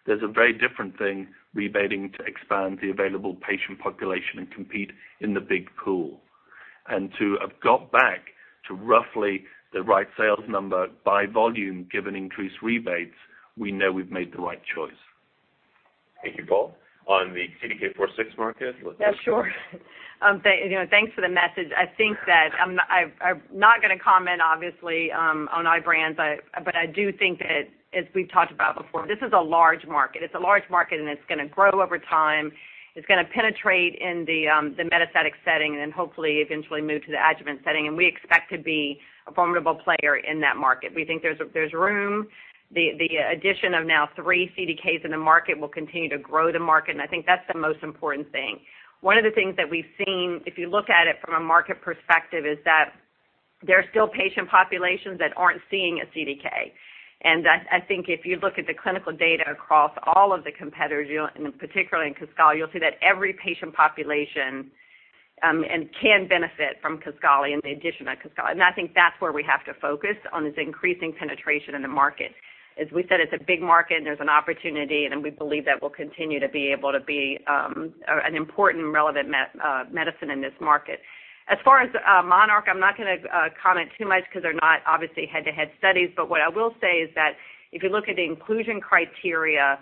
There's a very different thing rebating to expand the available patient population and compete in the big pool. To have got back to roughly the right sales number by volume given increased rebates, we know we've made the right choice. Thank you, Paul. On the CDK4/6 market, Liz? Yeah, sure. Thanks for the message. I think that I'm not going to comment, obviously, on IBRANCE, but I do think that, as we've talked about before, this is a large market. It's a large market, and it's going to grow over time. It's going to penetrate in the metastatic setting and then hopefully eventually move to the adjuvant setting. We expect to be a formidable player in that market. We think there's room. The addition of now 3 CDKs in the market will continue to grow the market, and I think that's the most important thing. One of the things that we've seen, if you look at it from a market perspective, is that there are still patient populations that aren't seeing a CDK. I think if you look at the clinical data across all of the competitors, and particularly in KISQALI, you'll see that every patient population can benefit from KISQALI and the addition of KISQALI. I think that's where we have to focus on is increasing penetration in the market. As we said, it's a big market and there's an opportunity, and we believe that we'll continue to be able to be an important relevant medicine in this market. As far as MONARCH, I'm not going to comment too much because they're not obviously head-to-head studies. What I will say is that if you look at the inclusion criteria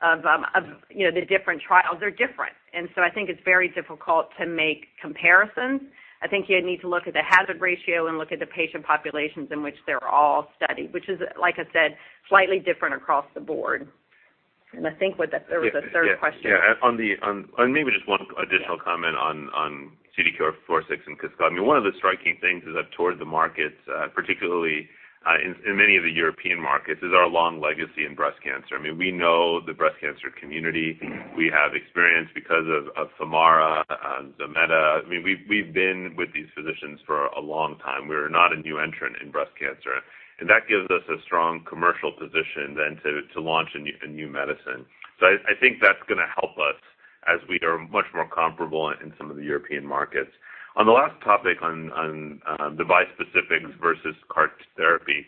of the different trials, they're different. I think it's very difficult to make comparisons. I think you need to look at the hazard ratio and look at the patient populations in which they're all studied, which is, like I said, slightly different across the board. I think there was a third question. Yeah. Maybe just one additional comment on CDK4/6 and KISQALI. One of the striking things is that towards the markets, particularly in many of the European markets, is our long legacy in breast cancer. We know the breast cancer community. We have experience because of Femara and Zometa. We've been with these physicians for a long time. We're not a new entrant in breast cancer, that gives us a strong commercial position then to launch a new medicine. I think that's going to help us as we are much more comparable in some of the European markets. On the last topic on bispecifics versus CAR T therapy,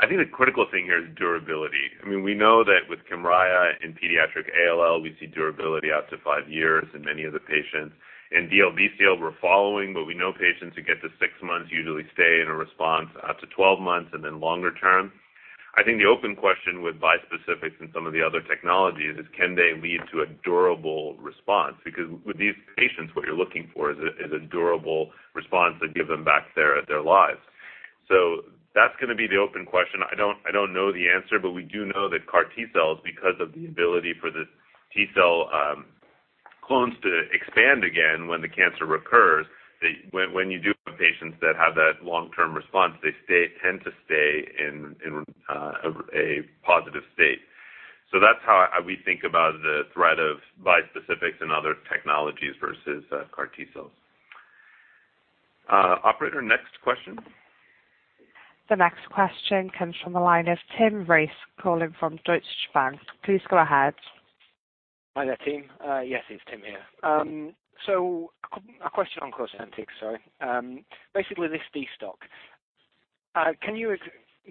I think the critical thing here is durability. We know that with KYMRIAH in pediatric ALL, we see durability out to five years in many of the patients. In DLBCL, we're following, we know patients who get to six months usually stay in a response out to 12 months and then longer term. I think the open question with bispecifics and some of the other technologies is can they lead to a durable response? Because with these patients, what you're looking for is a durable response that gives them back their lives. That's going to be the open question. I don't know the answer, we do know that CAR T-cells, because of the ability for the T-cell clones to expand again, when the cancer recurs, when you do have patients that have that long-term response, they tend to stay in a positive state. That's how we think about the threat of bispecifics and other technologies versus CAR T-cells. Operator, next question. The next question comes from the line of Tim Race calling from Deutsche Bank. Please go ahead. Hi there, team. Yes, it's Tim here. A question on COSENTYX. Basically, this de-stock. Can you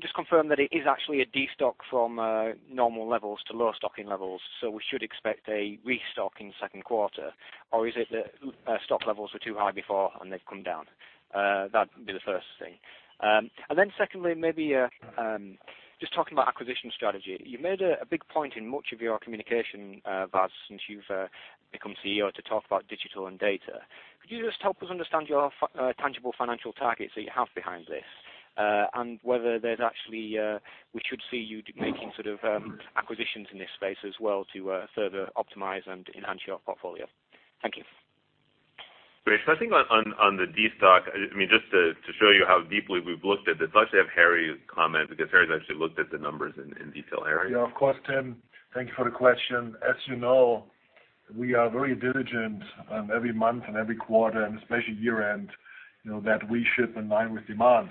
just confirm that it is actually a de-stock from normal levels to lower stocking levels, so we should expect a restock in the second quarter? Or is it that stock levels were too high before and they've come down? That'd be the first thing. Secondly, maybe just talking about acquisition strategy. You made a big point in much of your communication, Vas, since you've become CEO to talk about digital and data. Could you just help us understand your tangible financial targets that you have behind this? Whether there's actually, we should see you making sort of acquisitions in this space as well to further optimize and enhance your portfolio. Thank you. Great. I think on the de-stock, just to show you how deeply we've looked at this, let's have Harry comment because Harry's actually looked at the numbers in detail. Harry? Of course, Tim, thank you for the question. As you know, we are very diligent every month and every quarter, and especially year-end, that we ship in line with demand.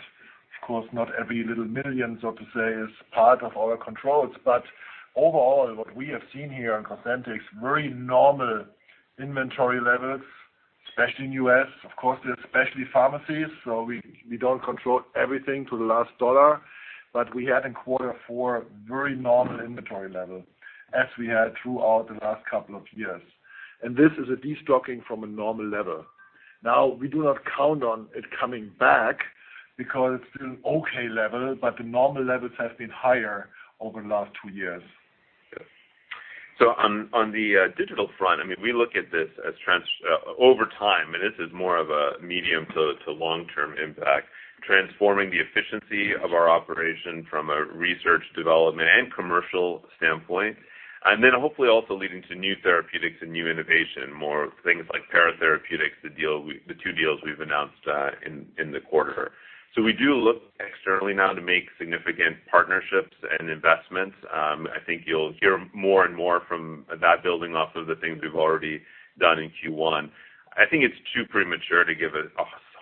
Of course, not every little million, so to say, is part of our controls. But overall, what we have seen here on COSENTYX, very normal inventory levels, especially in the U.S. Of course, they're specialty pharmacies, so we don't control everything to the last dollar. But we had in quarter four very normal inventory level as we had throughout the last two years. This is a de-stocking from a normal level. Now, we do not count on it coming back because it's still an okay level, but the normal levels have been higher over the last two years. On the digital front, we look at this as over time, this is more of a medium to long-term impact, transforming the efficiency of our operation from a research, development, and commercial standpoint. Hopefully also leading to new therapeutics and new innovation, more things like Pear Therapeutics, the two deals we've announced in the quarter. We do look externally now to make significant partnerships and investments. I think you'll hear more and more from that building off of the things we've already done in Q1. I think it's too premature to give a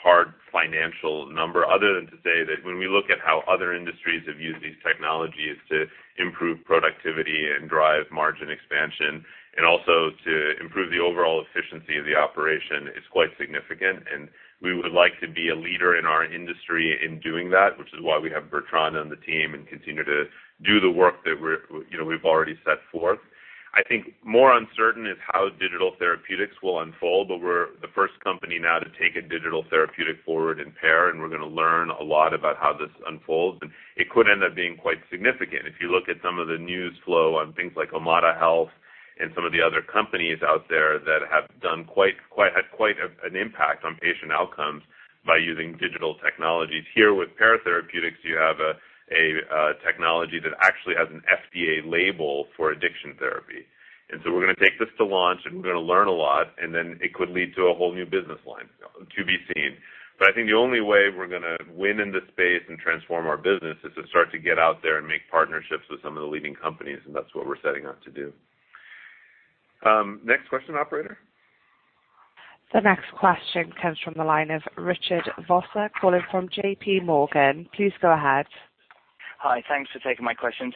hard financial number other than to say that when we look at how other industries have used these technologies to improve productivity and drive margin expansion and also to improve the overall efficiency of the operation, it's quite significant, and we would like to be a leader in our industry in doing that, which is why we have Bertrand on the team and continue to do the work that we've already set forth. I think more uncertain is how digital therapeutics will unfold, but we're the first company now to take a digital therapeutic forward in Pear, and we're going to learn a lot about how this unfolds. It could end up being quite significant. If you look at some of the news flow on things like Omada Health and some of the other companies out there that have had quite an impact on patient outcomes by using digital technologies. Here with Pear Therapeutics, you have a technology that actually has an FDA label for addiction therapy. We're going to take this to launch, we're going to learn a lot, it could lead to a whole new business line to be seen. I think the only way we're going to win in this space and transform our business is to start to get out there and make partnerships with some of the leading companies, that's what we're setting out to do. Next question, operator. The next question comes from the line of Richard Vosser calling from JP Morgan. Please go ahead. Hi. Thanks for taking my questions.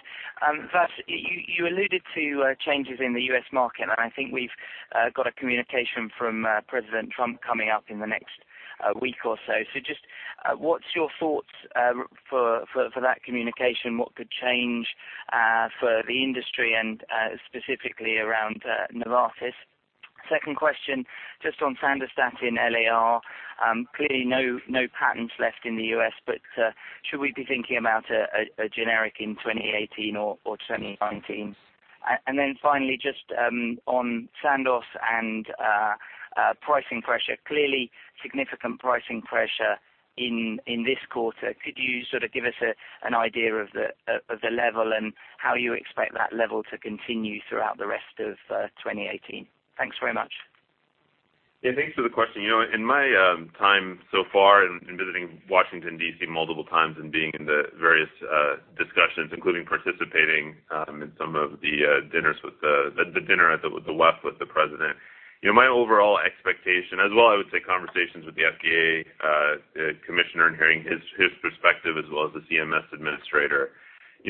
First, you alluded to changes in the U.S. market, I think we've got a communication from President Trump coming up in the next week or so. Just what's your thoughts for that communication? What could change for the industry, and specifically around Novartis? Second question, just on Sandostatin LAR. Clearly, no patents left in the U.S., should we be thinking about a generic in 2018 or 2019? Finally, just on Sandoz and pricing pressure. Clearly, significant pricing pressure in this quarter. Could you sort of give us an idea of the level and how you expect that level to continue throughout the rest of 2018? Thanks very much. Thanks for the question. In my time so far in visiting Washington, D.C. multiple times and being in the various discussions, including participating in some of the dinner with the west with the President. My overall expectation, as well, I would say conversations with the FDA Commissioner and hearing his perspective as well as the CMS Administrator.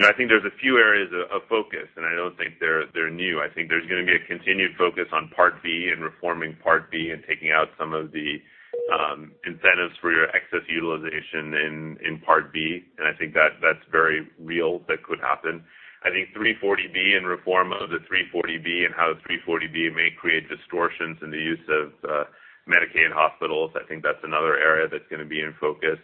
I think there's a few areas of focus, I don't think they're new. I think there's going to be a continued focus on Part D and reforming Part D and taking out some of the incentives for your excess utilization in Part D. I think that's very real, that could happen. I think 340B and reform of the 340B and how the 340B may create distortions in the use of Medicaid hospitals, I think that's another area that's going to be in focus.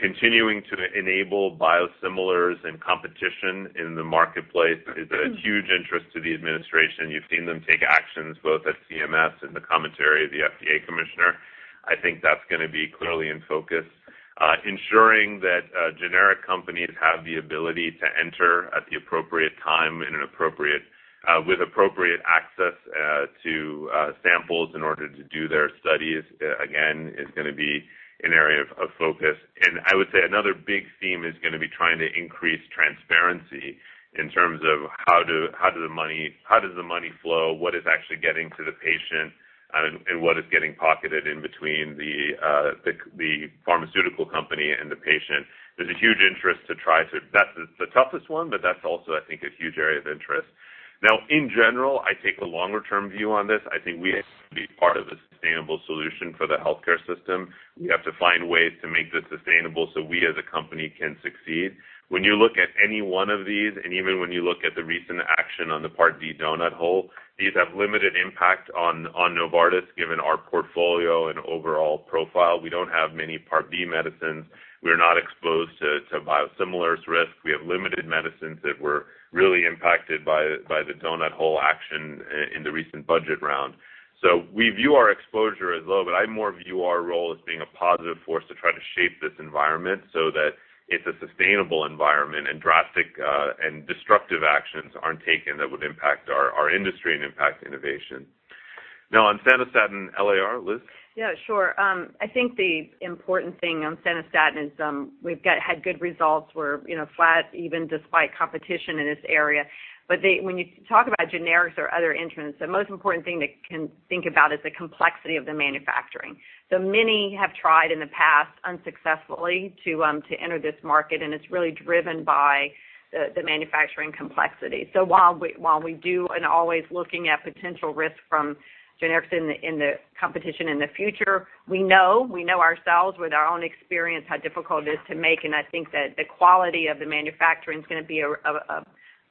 Continuing to enable biosimilars and competition in the marketplace is a huge interest to the administration. You've seen them take actions both at CMS and the commentary of the FDA Commissioner. I think that's going to be clearly in focus. Ensuring that generic companies have the ability to enter at the appropriate time with appropriate access to samples in order to do their studies, again, is going to be an area of focus. I would say another big theme is going to be trying to increase transparency in terms of how does the money flow, what is actually getting to the patient, and what is getting pocketed in between the pharmaceutical company and the patient. There's a huge interest to That's the toughest one, that's also, I think, a huge area of interest. In general, I take the longer-term view on this. I think we have to be part of a sustainable solution for the healthcare system. We have to find ways to make this sustainable we as a company can succeed. When you look at any one of these, even when you look at the recent action on the Part D donut hole, these have limited impact on Novartis, given our portfolio and overall profile. We don't have many Part D medicines. We're not exposed to biosimilars risk. We have limited medicines that were really impacted by the donut hole action in the recent budget round. We view our exposure as low, I more view our role as being a positive force to try to shape this environment so that it's a sustainable environment and drastic and destructive actions aren't taken that would impact our industry and impact innovation. On Sandostatin LAR, Liz? Yeah, sure. I think the important thing on Sandostatin is we've had good results. We're flat even despite competition in this area. When you talk about generics or other entrants, the most important thing they can think about is the complexity of the manufacturing. Many have tried in the past unsuccessfully to enter this market, and it's really driven by the manufacturing complexity. While we do and always looking at potential risk from generics in the competition in the future, we know ourselves with our own experience how difficult it is to make, and I think that the quality of the manufacturing is going to be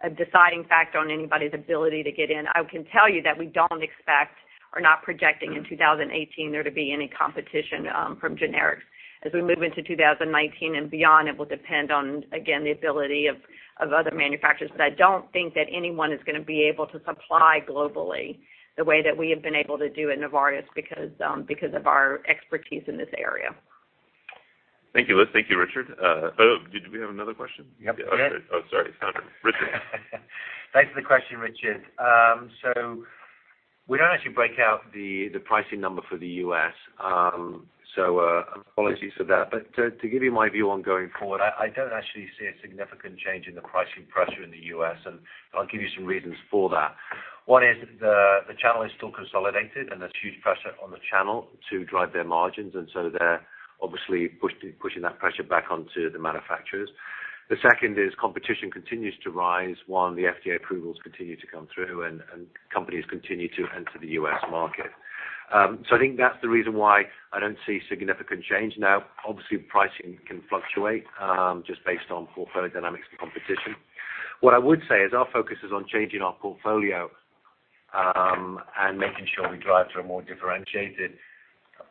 a deciding factor on anybody's ability to get in. I can tell you that we don't expect or not projecting in 2018 there to be any competition from generics. As we move into 2019 and beyond, it will depend on, again, the ability of other manufacturers. I don't think that anyone is going to be able to supply globally the way that we have been able to do at Novartis because of our expertise in this area. Thank you, Liz. Thank you, Richard. Did we have another question? Yep. Okay. Sorry. It's Calvin. Richard. Thanks for the question, Richard. We don't actually break out the pricing number for the U.S., apologies for that. To give you my view on going forward, I don't actually see a significant change in the pricing pressure in the U.S., I'll give you some reasons for that. One is the channel is still consolidated, there's huge pressure on the channel to drive their margins, they're obviously pushing that pressure back onto the manufacturers. The second is competition continues to rise while the FDA approvals continue to come through and companies continue to enter the U.S. market. I think that's the reason why I don't see significant change. Obviously, pricing can fluctuate, just based on portfolio dynamics and competition. What I would say is our focus is on changing our portfolio, and making sure we drive to a more differentiated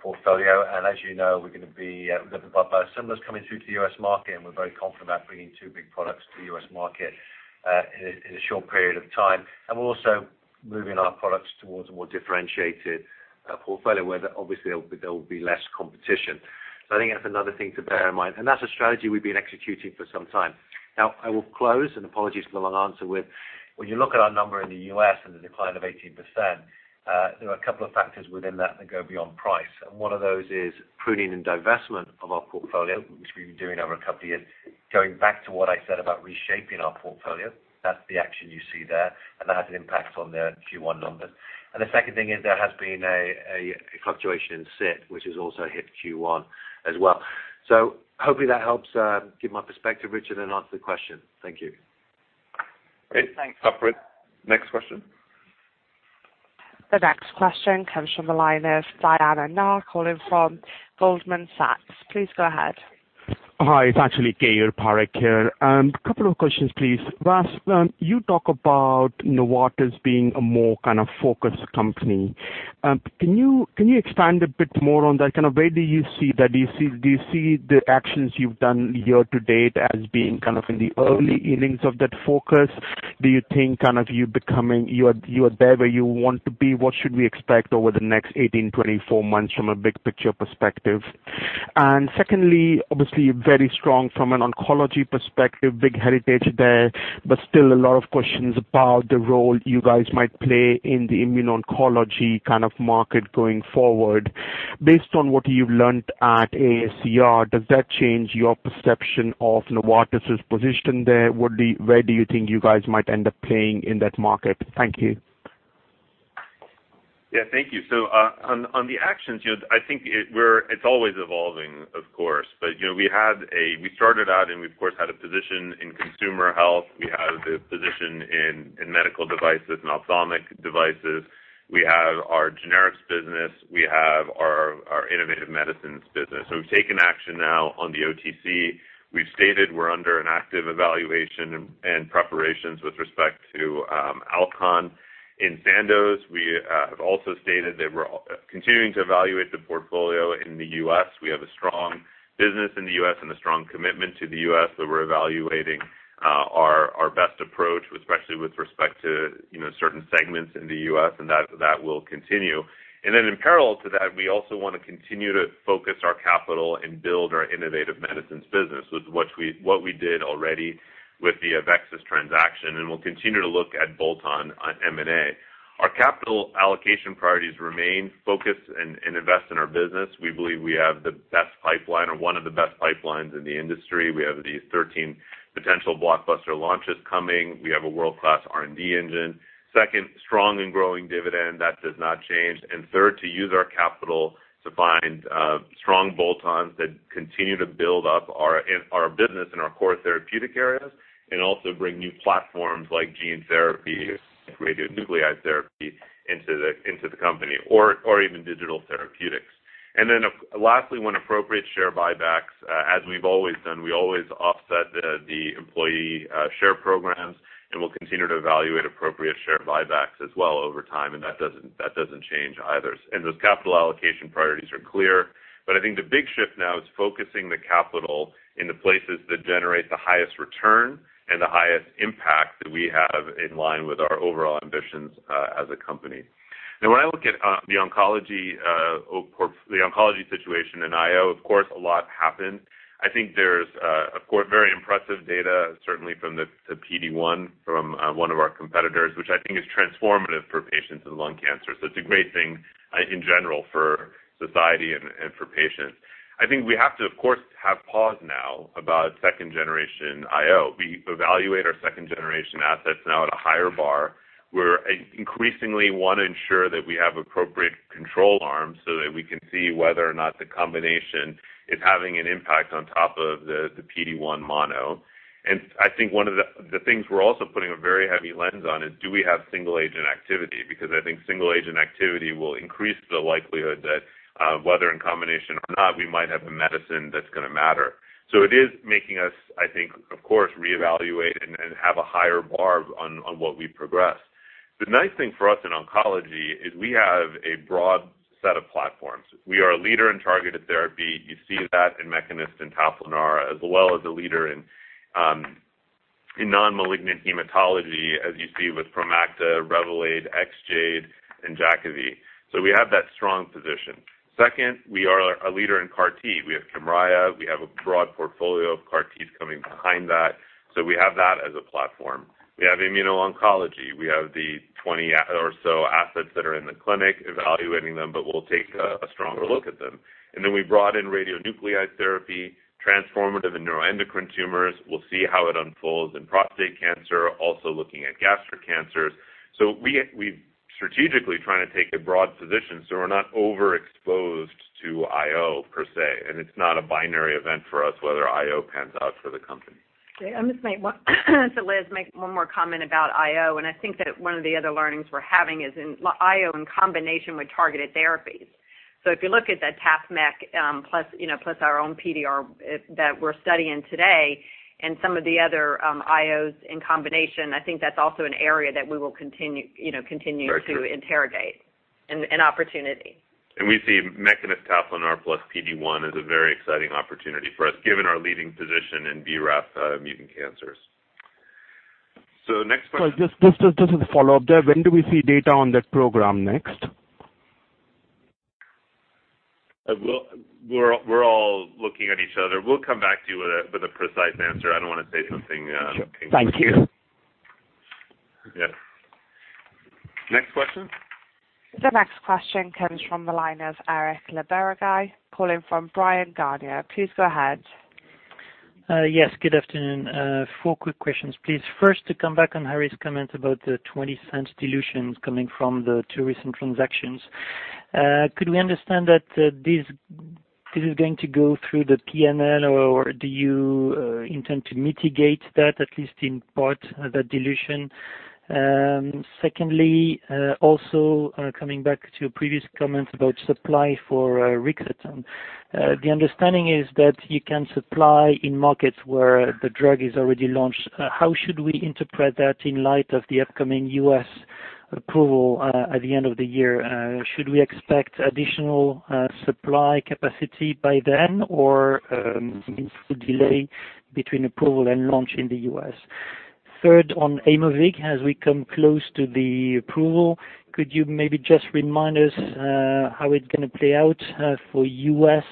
portfolio. As you know, we're going to have biosimilars coming through to the U.S. market, we're very confident about bringing two big products to the U.S. market in a short period of time. We're also moving our products towards a more differentiated portfolio where obviously there will be less competition. I think that's another thing to bear in mind. That's a strategy we've been executing for some time. I will close, and apologies for the long answer with, when you look at our number in the U.S. and the decline of 18%, there are a couple of factors within that go beyond price. One of those is pruning and divestment of our portfolio, which we've been doing over a couple of years, going back to what I said about reshaping our portfolio. That's the action you see there, and that has an impact on the Q1 numbers. The second thing is there has been a fluctuation in set, which has also hit Q1 as well. Hopefully that helps give my perspective, Richard, and answer the question. Thank you. Great. Thanks. Operator, next question. The next question comes from the line of Diana Na, calling from Goldman Sachs. Please go ahead. Hi, it's actually Keyur Parekh here. Couple of questions, please. Vas, you talk about Novartis being a more kind of focused company. Can you expand a bit more on that? Kind of where do you see that? Do you see the actions you've done year to date as being kind of in the early innings of that focus? Do you think kind of you're there where you want to be? What should we expect over the next 18-24 months from a big picture perspective? Secondly, obviously, very strong from an oncology perspective, big heritage there, but still a lot of questions about the role you guys might play in the immuno-oncology kind of market going forward. Based on what you've learned at ACR, does that change your perception of Novartis' position there? Where do you think you guys might end up playing in that market? Thank you. Yeah, thank you. On the actions, I think it's always evolving, of course. We started out and we, of course, had a position in consumer health. We have a position in medical devices and ophthalmic devices. We have our generics business, we have our Innovative Medicines business. We've taken action now on the OTC. We've stated we're under an active evaluation and preparations with respect to Alcon. In Sandoz, we have also stated that we're continuing to evaluate the portfolio in the U.S. We have a strong business in the U.S. and a strong commitment to the U.S., but we're evaluating our best approach, especially with respect to certain segments in the U.S., and that will continue. In parallel to that, we also want to continue to focus our capital and build our Innovative Medicines business with what we did already with the AveXis transaction, and we'll continue to look at bolt-on M&A. Our capital allocation priorities remain focused and invest in our business. We believe we have the best pipeline or one of the best pipelines in the industry. We have these 13 potential blockbuster launches coming. We have a world-class R&D engine. Second, strong and growing dividend, that does not change. Third, to use our capital to find strong bolt-ons that continue to build up our business in our core therapeutic areas and also bring new platforms like gene therapy, radionuclide therapy into the company, or even digital therapeutics. Lastly, when appropriate, share buybacks, as we've always done. We always offset the employee share programs, and we'll continue to evaluate appropriate share buybacks as well over time. That doesn't change either. Those capital allocation priorities are clear. I think the big shift now is focusing the capital in the places that generate the highest return and the highest impact that we have in line with our overall ambitions as a company. When I look at the oncology situation in IO, of course, a lot happened. I think there's very impressive data, certainly from the PD-1 from one of our competitors, which I think is transformative for patients in lung cancer. It's a great thing in general for society and for patients. I think we have to, of course, have pause now about second generation IO. We evaluate our second generation assets now at a higher bar. We're increasingly want to ensure that we have appropriate control arms so that we can see whether or not the combination is having an impact on top of the PD-1 mono. I think one of the things we're also putting a very heavy lens on is do we have single agent activity? Because I think single agent activity will increase the likelihood that whether in combination or not, we might have a medicine that's going to matter. It is making us, I think, of course, reevaluate and have a higher bar on what we progress. The nice thing for us in oncology is we have a broad set of platforms. We are a leader in targeted therapy. You see that in Mekinist and Tafinlar, as well as a leader in non-malignant hematology, as you see with Promacta, Revolade, EXJADE, and Jakavi. We have that strong position. Second, we are a leader in CAR T. We have KYMRIAH, we have a broad portfolio of CAR Ts coming behind that. We have that as a platform. We have immuno-oncology. We have the 20 or so assets that are in the clinic evaluating them, but we'll take a stronger look at them. We brought in radionuclide therapy, transformative in neuroendocrine tumors. We'll see how it unfolds in prostate cancer, also looking at gastric cancers. We've strategically trying to take a broad position, so we're not overexposed to IO per se, and it's not a binary event for us whether IO pans out for the company. Okay. I'm just going to Liz, make one more comment about IO, and I think that one of the other learnings we're having is in IO in combination with targeted therapies. If you look at that TAFMEK, plus our own PDR that we're studying today and some of the other IOs in combination, I think that's also an area that we will continue- Very true to interrogate and opportunity. We see Mekinist/Tafinlar plus PD-1 as a very exciting opportunity for us, given our leading position in BRAF mutant cancers. Next question. Sorry, just as a follow-up there. When do we see data on that program next? We're all looking at each other. We'll come back to you with a precise answer. I don't want to say something. Sure. Thank you. Yeah. Next question. The next question comes from the line of Eric Le Berrigaud, calling from Bryan Garnier & Co. Please go ahead. Yes, good afternoon. Four quick questions, please. First, to come back on Harry's comment about the $0.20 dilutions coming from the two recent transactions. Could we understand that This is going to go through the PNL, or do you intend to mitigate that, at least in part, the dilution? Also coming back to previous comments about supply for Rixathon. The understanding is that you can supply in markets where the drug is already launched. How should we interpret that in light of the upcoming U.S. approval at the end of the year? Should we expect additional supply capacity by then, or is it means to delay between approval and launch in the U.S.? On Aimovig, as we come close to the approval, could you maybe just remind us how it's going to play out for U.S.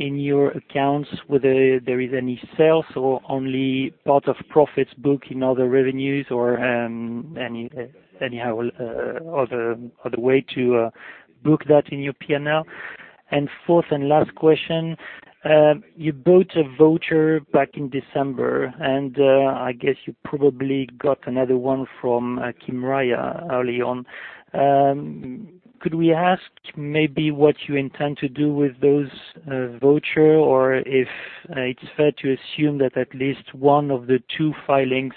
in your accounts, whether there is any sales or only part of profits book in other revenues or anyhow other way to book that in your PNL. Fourth and last question, you bought a voucher back in December, and I guess you probably got another one from KYMRIAH early on. Could we ask maybe what you intend to do with those voucher or if it is fair to assume that at least one of the two filings,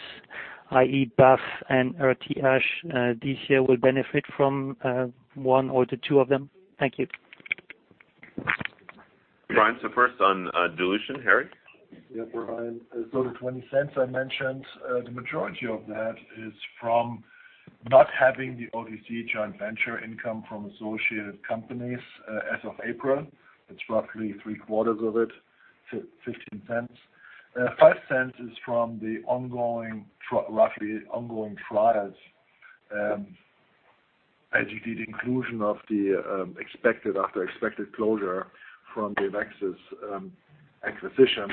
i.e., BAF and rTsh this year will benefit from one or the two of them? Thank you. Brian, first on dilution. Harry? Yeah, Brian. The $0.20 I mentioned, the majority of that is from not having the OTC joint venture income from associated companies as of April. It's roughly three-quarters of it, $0.15. $0.05 is from the roughly ongoing trials, as you did inclusion of the expected after expected closure from the AveXis acquisition.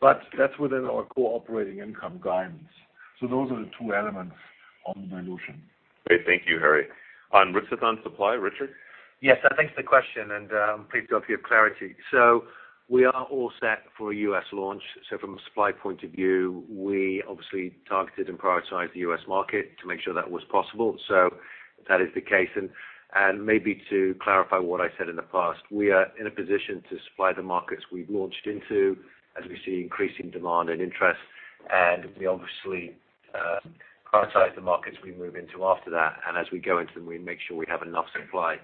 That's within our core operating income guidance. Those are the two elements on the dilution. Okay. Thank you, Harry. On Rixathon supply, Richard? Yes. Thanks for the question, and I'm pleased to offer you clarity. We are all set for a U.S. launch. From a supply point of view, we obviously targeted and prioritized the U.S. market to make sure that was possible. That is the case. Maybe to clarify what I said in the past, we are in a position to supply the markets we've launched into as we see increasing demand and interest. We obviously prioritize the markets we move into after that. As we go into them, we make sure we have enough supply.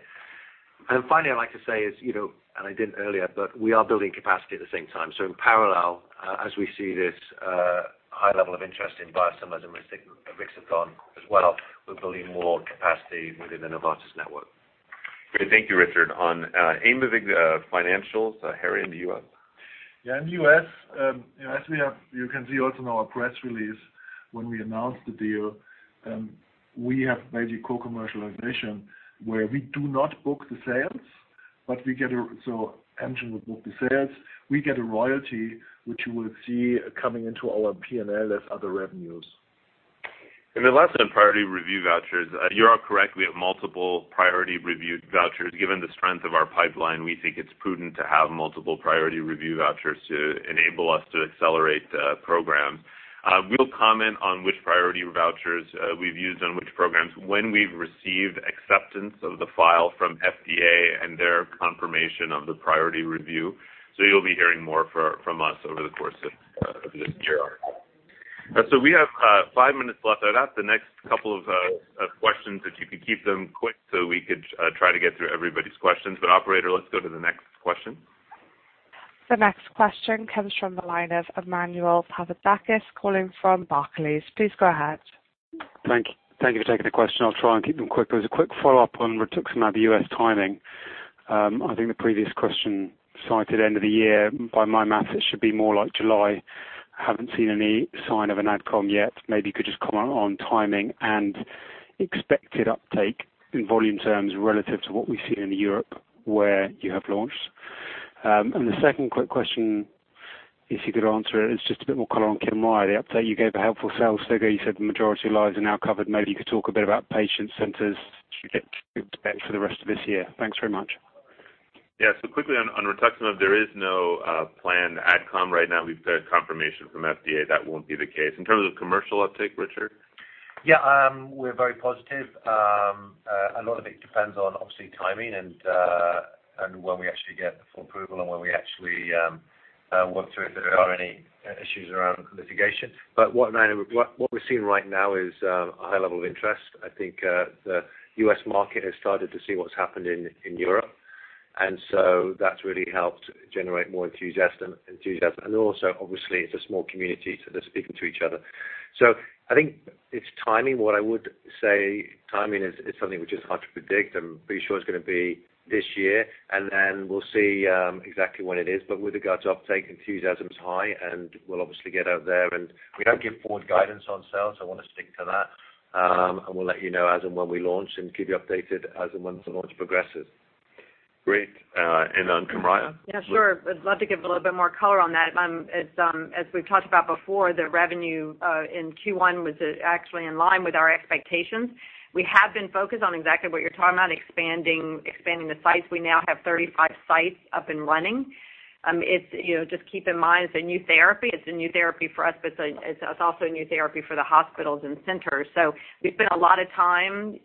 Finally, I'd like to say is, and I didn't earlier, but we are building capacity at the same time. In parallel, as we see this high level of interest in Biosimilars and Rixathon as well, we're building more capacity within the Novartis network. Great. Thank you, Richard. On AIMOVIG financials, Harry in the U.S. In the U.S., as you can see also in our press release when we announced the deal, we have basically co-commercialization where we do not book the sales. Amgen will book the sales. We get a royalty, which you will see coming into our P&L as other revenues. The last on priority review vouchers. You are correct. We have multiple priority review vouchers. Given the strength of our pipeline, we think it's prudent to have multiple priority review vouchers to enable us to accelerate programs. We'll comment on which priority vouchers we've used on which programs when we've received acceptance of the file from FDA and their confirmation of the priority review. You'll be hearing more from us over the course of this year. We have five minutes left. I'd ask the next couple of questions if you could keep them quick so we could try to get through everybody's questions. Operator, let's go to the next question. The next question comes from the line of Emmanuel Papadakis calling from Barclays. Please go ahead. Thank you for taking the question. I'll try and keep them quick. As a quick follow-up on Rixathon, the U.S. timing. I think the previous question cited end of the year. By my math, it should be more like July. Haven't seen any sign of an AdCom yet. Maybe you could just comment on timing and expected uptake in volume terms relative to what we've seen in Europe where you have launched. The second quick question, if you could answer it, is just a bit more color on KYMRIAH. The update you gave a helpful sales figure. You said the majority of lives are now covered. Maybe you could talk a bit about patient centers should we expect for the rest of this year. Thanks very much. Yeah. Quickly on Rixathon, there is no planned AdCom right now. We've had confirmation from FDA. That won't be the case. In terms of commercial uptake, Richard? Yeah. We're very positive. A lot of it depends on obviously timing and when we actually get the full approval and whether there are any issues around litigation. What we're seeing right now is a high level of interest. I think the U.S. market has started to see what's happened in Europe, that's really helped generate more enthusiasm. Obviously, it's a small community, so they're speaking to each other. I think it's timing. What I would say, timing is something which is hard to predict. I'm pretty sure it's going to be this year, and then we'll see exactly when it is. With regards to uptake, enthusiasm's high, and we'll obviously get out there. We don't give forward guidance on sales, I want to stick to that. We'll let you know as and when we launch and keep you updated as and when the launch progresses. Great. On KYMRIAH? Yeah, sure. I'd love to give a little bit more color on that. As we've talked about before, the revenue in Q1 was actually in line with our expectations. We have been focused on exactly what you're talking about, expanding the sites. We now have 35 sites up and running. Just keep in mind, it's a new therapy. It's a new therapy for us, but it's also a new therapy for the hospitals and centers. We've spent a lot of time.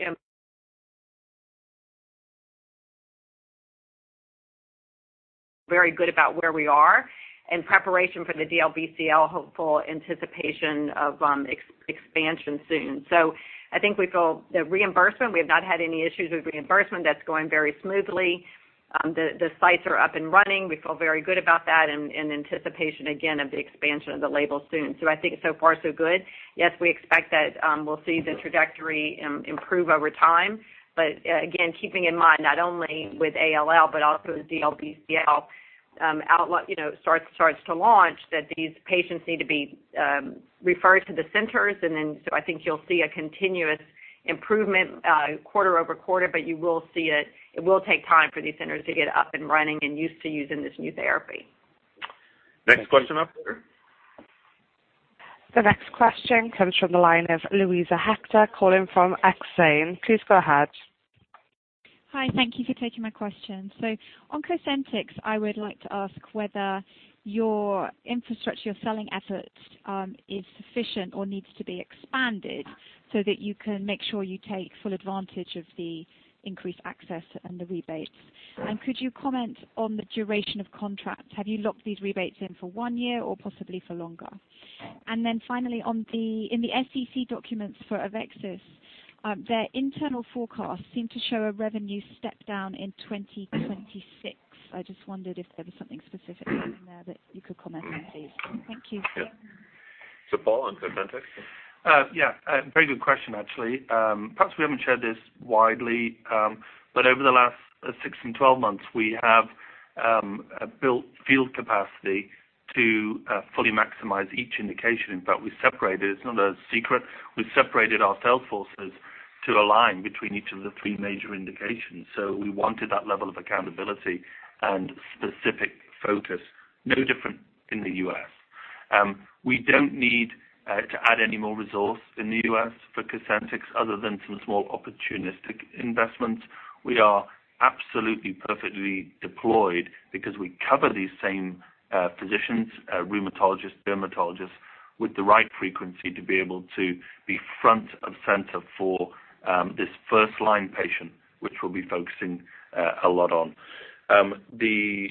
Very good about where we are in preparation for the DLBCL hopeful anticipation of expansion soon. I think we feel the reimbursement, we have not had any issues with reimbursement, that's going very smoothly. The sites are up and running. We feel very good about that and anticipation, again, of the expansion of the label soon. I think so far so good. Yes, we expect that we'll see the trajectory improve over time. Again, keeping in mind not only with ALL but also with DLBCL starts to launch, that these patients need to be referred to the centers, and then so I think you'll see a continuous improvement quarter over quarter, but you will see it. It will take time for these centers to get up and running and used to using this new therapy. Next question operator. The next question comes from the line of Luisa Hector calling from Exane. Please go ahead. Hi. Thank you for taking my question. On COSENTYX, I would like to ask whether your infrastructure, your selling efforts, is sufficient or needs to be expanded so that you can make sure you take full advantage of the increased access and the rebates. Could you comment on the duration of contract? Have you locked these rebates in for one year or possibly for longer? Then finally, in the SEC documents for AveXis, their internal forecasts seem to show a revenue step down in 2026. I just wondered if there was something specific in there that you could comment on, please. Thank you. Paul, on COSENTYX. Yeah. Very good question, actually. Perhaps we haven't shared this widely, but over the last six and 12 months, we have built field capacity to fully maximize each indication. In fact, it's not a secret, we separated our sales forces to align between each of the three major indications. We wanted that level of accountability and specific focus, no different in the U.S. We don't need to add any more resource in the U.S. for COSENTYX other than some small opportunistic investments. We are absolutely perfectly deployed because we cover these same physicians, rheumatologists, dermatologists, with the right frequency to be able to be front and center for this first-line patient, which we'll be focusing a lot on. The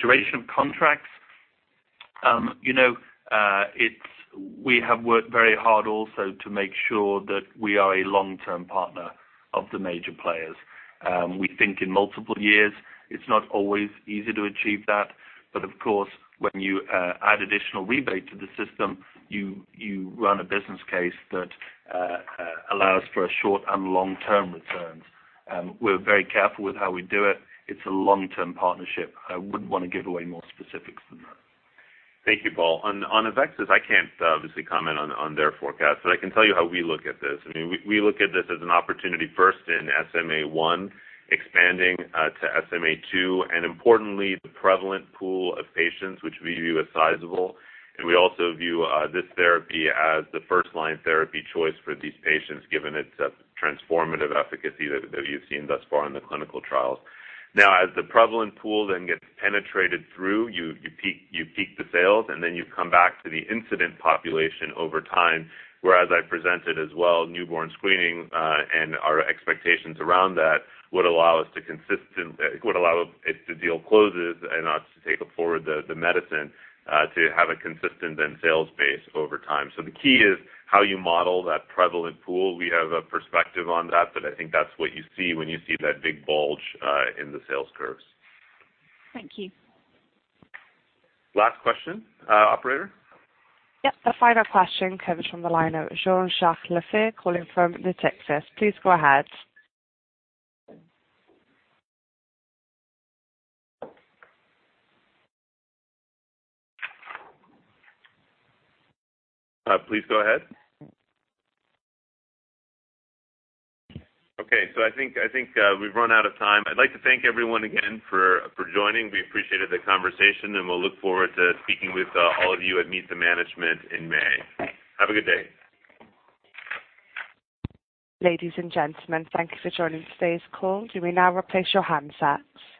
duration of contracts. We have worked very hard also to make sure that we are a long-term partner of the major players. We think in multiple years, it's not always easy to achieve that. Of course, when you add additional rebate to the system, you run a business case that allows for a short- and long-term returns. We're very careful with how we do it. It's a long-term partnership. I wouldn't want to give away more specifics than that. Thank you, Paul. On AveXis, I can't obviously comment on their forecast, I can tell you how we look at this. We look at this as an opportunity first in SMA1, expanding to SMA2, and importantly, the prevalent pool of patients, which we view as sizable. We also view this therapy as the first-line therapy choice for these patients, given its transformative efficacy that you've seen thus far in the clinical trials. As the prevalent pool then gets penetrated through, you peak the sales, and then you come back to the incident population over time, whereas I presented as well newborn screening, and our expectations around that would allow if the deal closes and us to take forward the medicine to have a consistent then sales base over time. The key is how you model that prevalent pool. We have a perspective on that, I think that's what you see when you see that big bulge in the sales curves. Thank you. Last question, operator. Yep. The final question comes from the line of Jean-Jacques Le Fur calling from Natixis. Please go ahead. Please go ahead. Okay, I think we've run out of time. I'd like to thank everyone again for joining. We appreciated the conversation, we'll look forward to speaking with all of you at Meet the Management in May. Have a good day. Ladies and gentlemen, thank you for joining today's call. You may now replace your handsets.